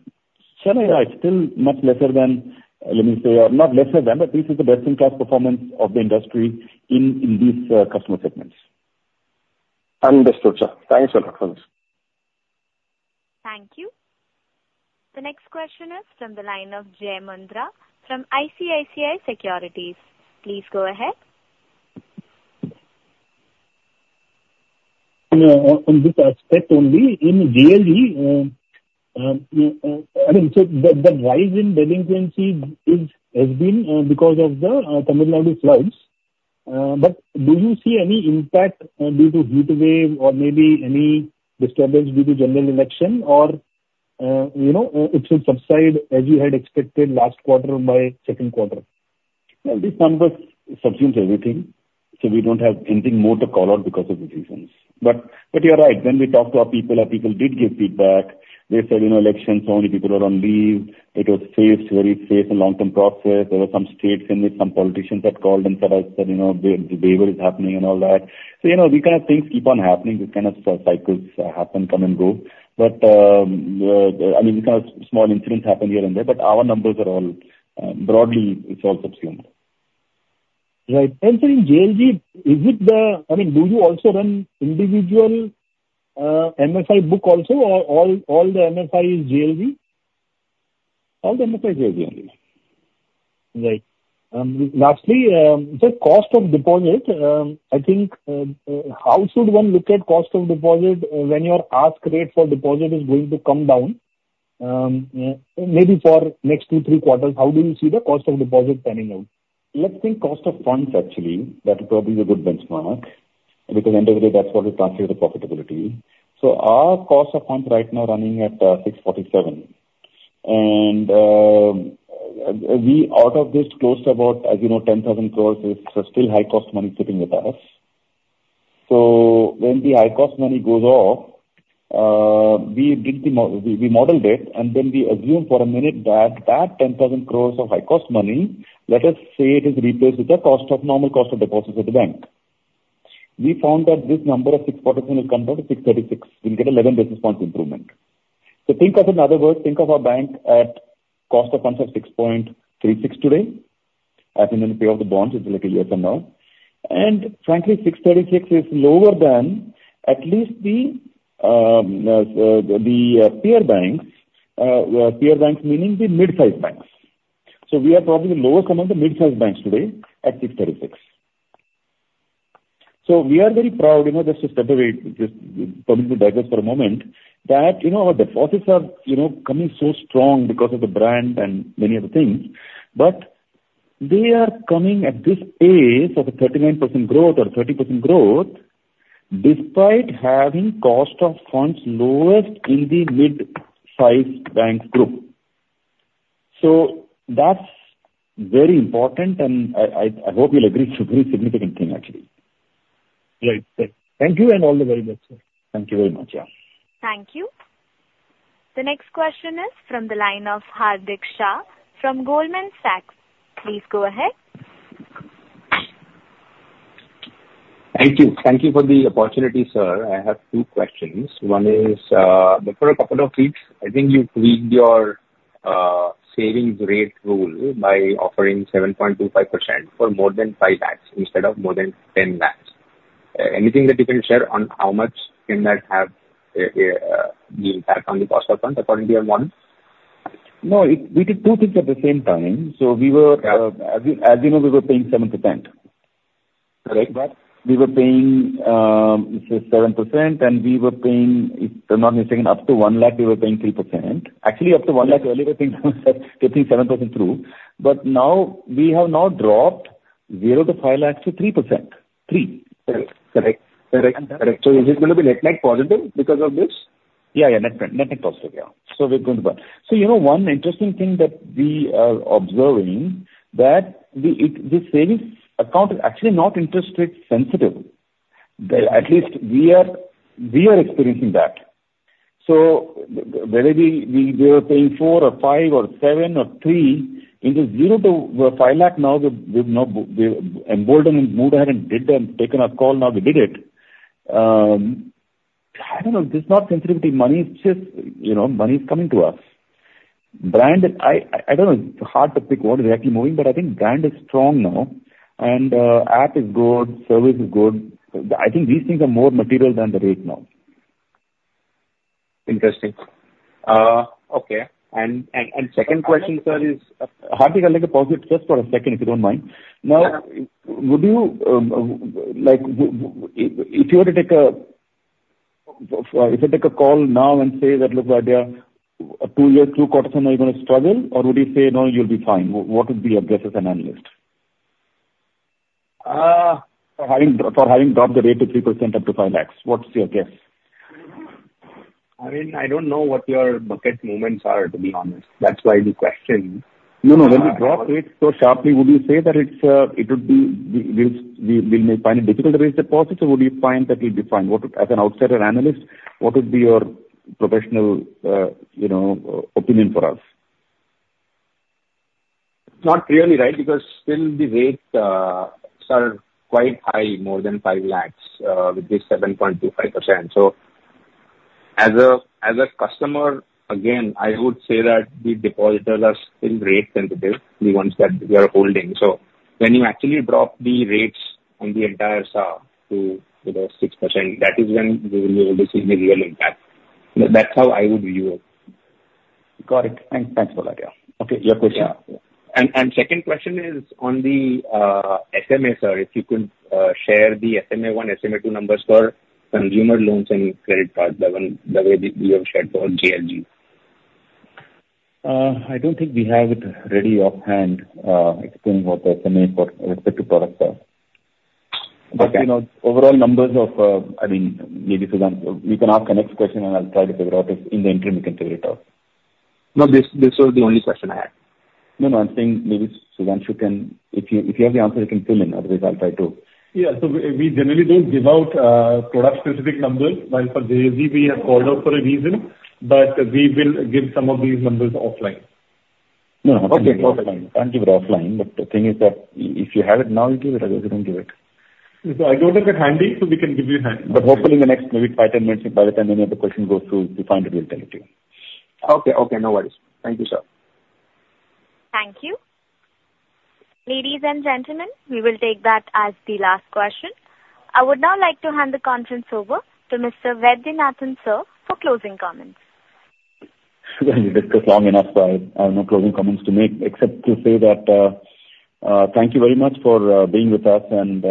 Speaker 3: Shall I? It's still much lesser than, let me say, or not lesser than, but this is the best-in-class performance of the industry in these customer segments.
Speaker 16: Understood, sir. Thanks a lot for this.
Speaker 3: Thank you. The next question is from the line of Jai Mundhra from ICICI Securities. Please go ahead.
Speaker 17: On this aspect only, in JLG, I mean, so the rise in delinquency has been because of the Tamil Nadu floods. But do you see any impact due to heat wave or maybe any disturbance due to general election? Or it should subside as you had expected last quarter by second quarter? Well, this number subsumes everything.
Speaker 3: So we don't have anything more to call out because of the reasons. But you're right. When we talked to our people, our people did give feedback. They said elections, so many people were on leave. It was safe, very safe, a long-term process. There were some states in which some politicians had called and said, "The waiver is happening and all that." So these kind of things keep on happening. These kind of cycles happen, come and go. But I mean, these kind of small incidents happen here and there. But our numbers are all broadly, it's all subsumed. Right. And so in JLG, is it the I mean, do you also run individual MFI book also or all the MFI is JLG? All the MFI is JLG only. Right. Lastly, the cost of deposit, I think, how should one look at cost of deposit when your ask rate for deposit is going to come down? Maybe for next two, three quarters, how do you see the cost of deposit panning out? Let's think cost of funds, actually. That would probably be a good benchmark because end of the day, that's what will translate to profitability. So our cost of funds right now running at 647. And we, out of this, closed about, as you know, 10,000 crore. It's still high-cost money sitting with us. So when the high-cost money goes off, we modeled it, and then we assumed for a minute that that 10,000 crore of high-cost money, let us say it is replaced with the normal cost of deposits at the bank. We found that this number of six quarters will come down to 636. We'll get an 11 basis points improvement. So think of, in other words, think of our bank at cost of funds of 6.36 today, as in the payoff of the bonds. It's like a year from now. And frankly, 6.36 is lower than at least the peer banks, peer banks meaning the mid-size banks. So we are probably lower compared to mid-size banks today at 6.36. So we are very proud, just to step away, just publicly digest for a moment, that our deposits are coming so strong because of the brand and many other things. But they are coming at this pace of a 39% growth or 30% growth, despite having cost of funds lowest in the mid-size bank group. So that's very important, and I hope you'll agree it's a very significant thing, actually.
Speaker 17: Right. Thank you and all the very best, sir. Thank you very much. Yeah.
Speaker 1: Thank you. The next question is from the line of Hardik Shah from Goldman Sachs. Please go ahead.
Speaker 18: Thank you. Thank you for the opportunity, sir. I have two questions. One is, for a couple of weeks, I think you tweaked your savings rate rule by offering 7.25% for more than 5 lakhs instead of more than 10 lakhs. Anything that you can share on how much can that have the impact on the cost of funds according to your model?
Speaker 3: No, we did two things at the same time. So as you know, we were paying 7%. Correct. But we were paying 7%, and we were paying, if I'm not mistaken, up to 1 lakh. We were paying 3%. Actually, up to 1 lakh earlier, we were paying 7% through. But now we have now dropped 0 lakh-5 lakhs to 3%. 3. Correct. Correct. Correct. So is it going to be net neg positive because of this? Yeah. Yeah. Net neg positive. Yeah. So we're going to buy. So one interesting thing that we are observing is that this savings account is actually not interest rate sensitive. At least we are experiencing that. So whether we were paying 4% or 5% or 7% or 3%, it is 0 lakh-5 lakh now. We've now emboldened and moved ahead and did and taken our call. Now we did it. I don't know. It's not sensitivity money. It's just money is coming to us. Brand, I don't know. It's hard to pick what is actually moving, but I think brand is strong now. And app is good. Service is good. I think these things are more material than the rate now. Interesting. Okay. Second question, sir. Is Hardik a little positive just for a second, if you don't mind. Now, if you were to take a—if I take a call now and say that, "Look, Vijay, 2 years, 2 quarters from now, you're going to struggle," or would you say, "No, you'll be fine"? What would be your guess as an analyst? For having dropped the rate to 3% up to 5 lakhs, what's your guess? I mean, I don't know what your bucket movements are, to be honest. That's why the question. No, no. When we drop rates so sharply, would you say that it would be we may find it difficult to raise deposits, or would you find that we'll be fine? As an outsider analyst, what would be your professional opinion for us? It's not clearly right because still the rates are quite high, more than 5 lakh with this 7.25%. So as a customer, again, I would say that the depositors are still rate sensitive, the ones that we are holding. So when you actually drop the rates on the entire CASA to 6%, that is when we will see the real impact. That's how I would view it.
Speaker 18: Got it. Thanks for that. Yeah. Okay. Your question. And second question is on the SMA, sir, if you could share the SMA 1, SMA 2 numbers for consumer loans and credit cards, the way you have shared for JLG. I don't think we have it ready offhand, explaining what the SMA for respective products are.
Speaker 3: But overall numbers of, I mean, maybe we can ask the next question, and I'll try to figure out if in the interim we can figure it out. No, this was the only question I had.
Speaker 5: No, no. I'm saying maybe Sudhanshu can, if you have the answer, you can fill in. Otherwise, I'll try to.
Speaker 4: Yeah. So we generally don't give out product-specific numbers. While for JLG, we have called out for a reason, but we will give some of these numbers offline. No, no. Okay. Offline. I'll give it offline. But the thing is that if you have it now, you give it. Otherwise, you don't give it. So I don't have it handy, so we can give you handy. But hopefully, in the next maybe 5, 10 minutes, by the time any of the questions go through, if you find it, we'll tell it to you.
Speaker 18: Okay. Okay. No worries. Thank you, sir.
Speaker 1: Thank you. Ladies and gentlemen, we will take that as the last question. I would now like to hand the conference over to Mr. Vaidyanathan, sir, for closing comments.
Speaker 3: We discussed long enough. I have no closing comments to make except to say that thank you very much for being with us and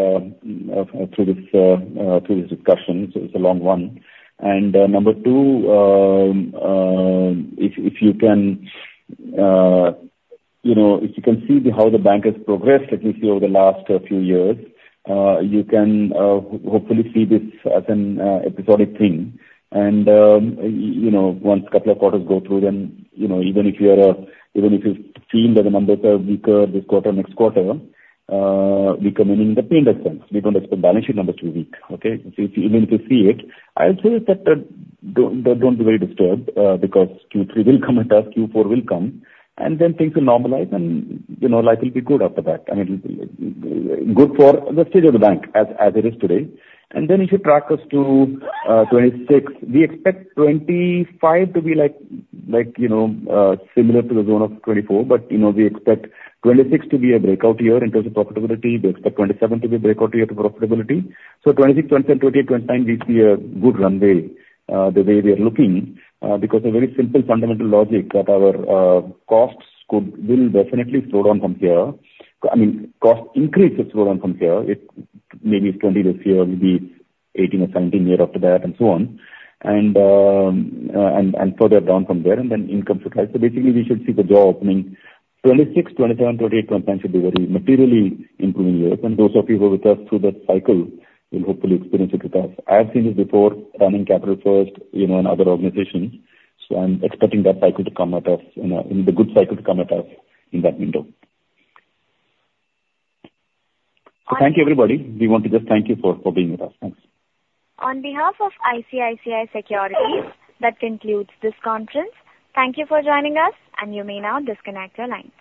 Speaker 3: through this discussion. It's a long one. And number two, if you can see how the bank has progressed, at least over the last few years, you can hopefully see this as an episodic thing. And once a couple of quarters go through, then even if you feel that the numbers are weaker this quarter and next quarter, we come in in the painless sense. We don't expect balance sheet numbers to be weak. Okay? So even if you see it, I'll say that don't be very disturbed because Q3 will come at us. Q4 will come. And then things will normalize, and life will be good after that. I mean, good for the state of the bank as it is today. And then if you track us to 2026, we expect 2025 to be similar to the zone of 2024. But we expect 2026 to be a breakout year in terms of profitability. We expect 2027 to be a breakout year for profitability. So 2026, 2027, 2028, 2029, we see a good runway the way we are looking because of very simple fundamental logic that our costs will definitely slow down from here. I mean, cost increase will slow down from here. Maybe it's 20 this year, maybe it's 18 or 19 year after that, and so on, and further down from there. And then income should rise. So basically, we should see the jaw opening. 2026, 2027, 2028, 2029 should be very materially improving years. And those of you who are with us through the cycle will hopefully experience it with us. I have seen this before running Capital First and other organizations. So I'm expecting that cycle to come at us, the good cycle to come at us in that window. Thank you, everybody. We want to just thank you for being with us.
Speaker 1: Thanks. On behalf of ICICI Securities, that concludes this conference. Thank you for joining us, and you may now disconnect your lines.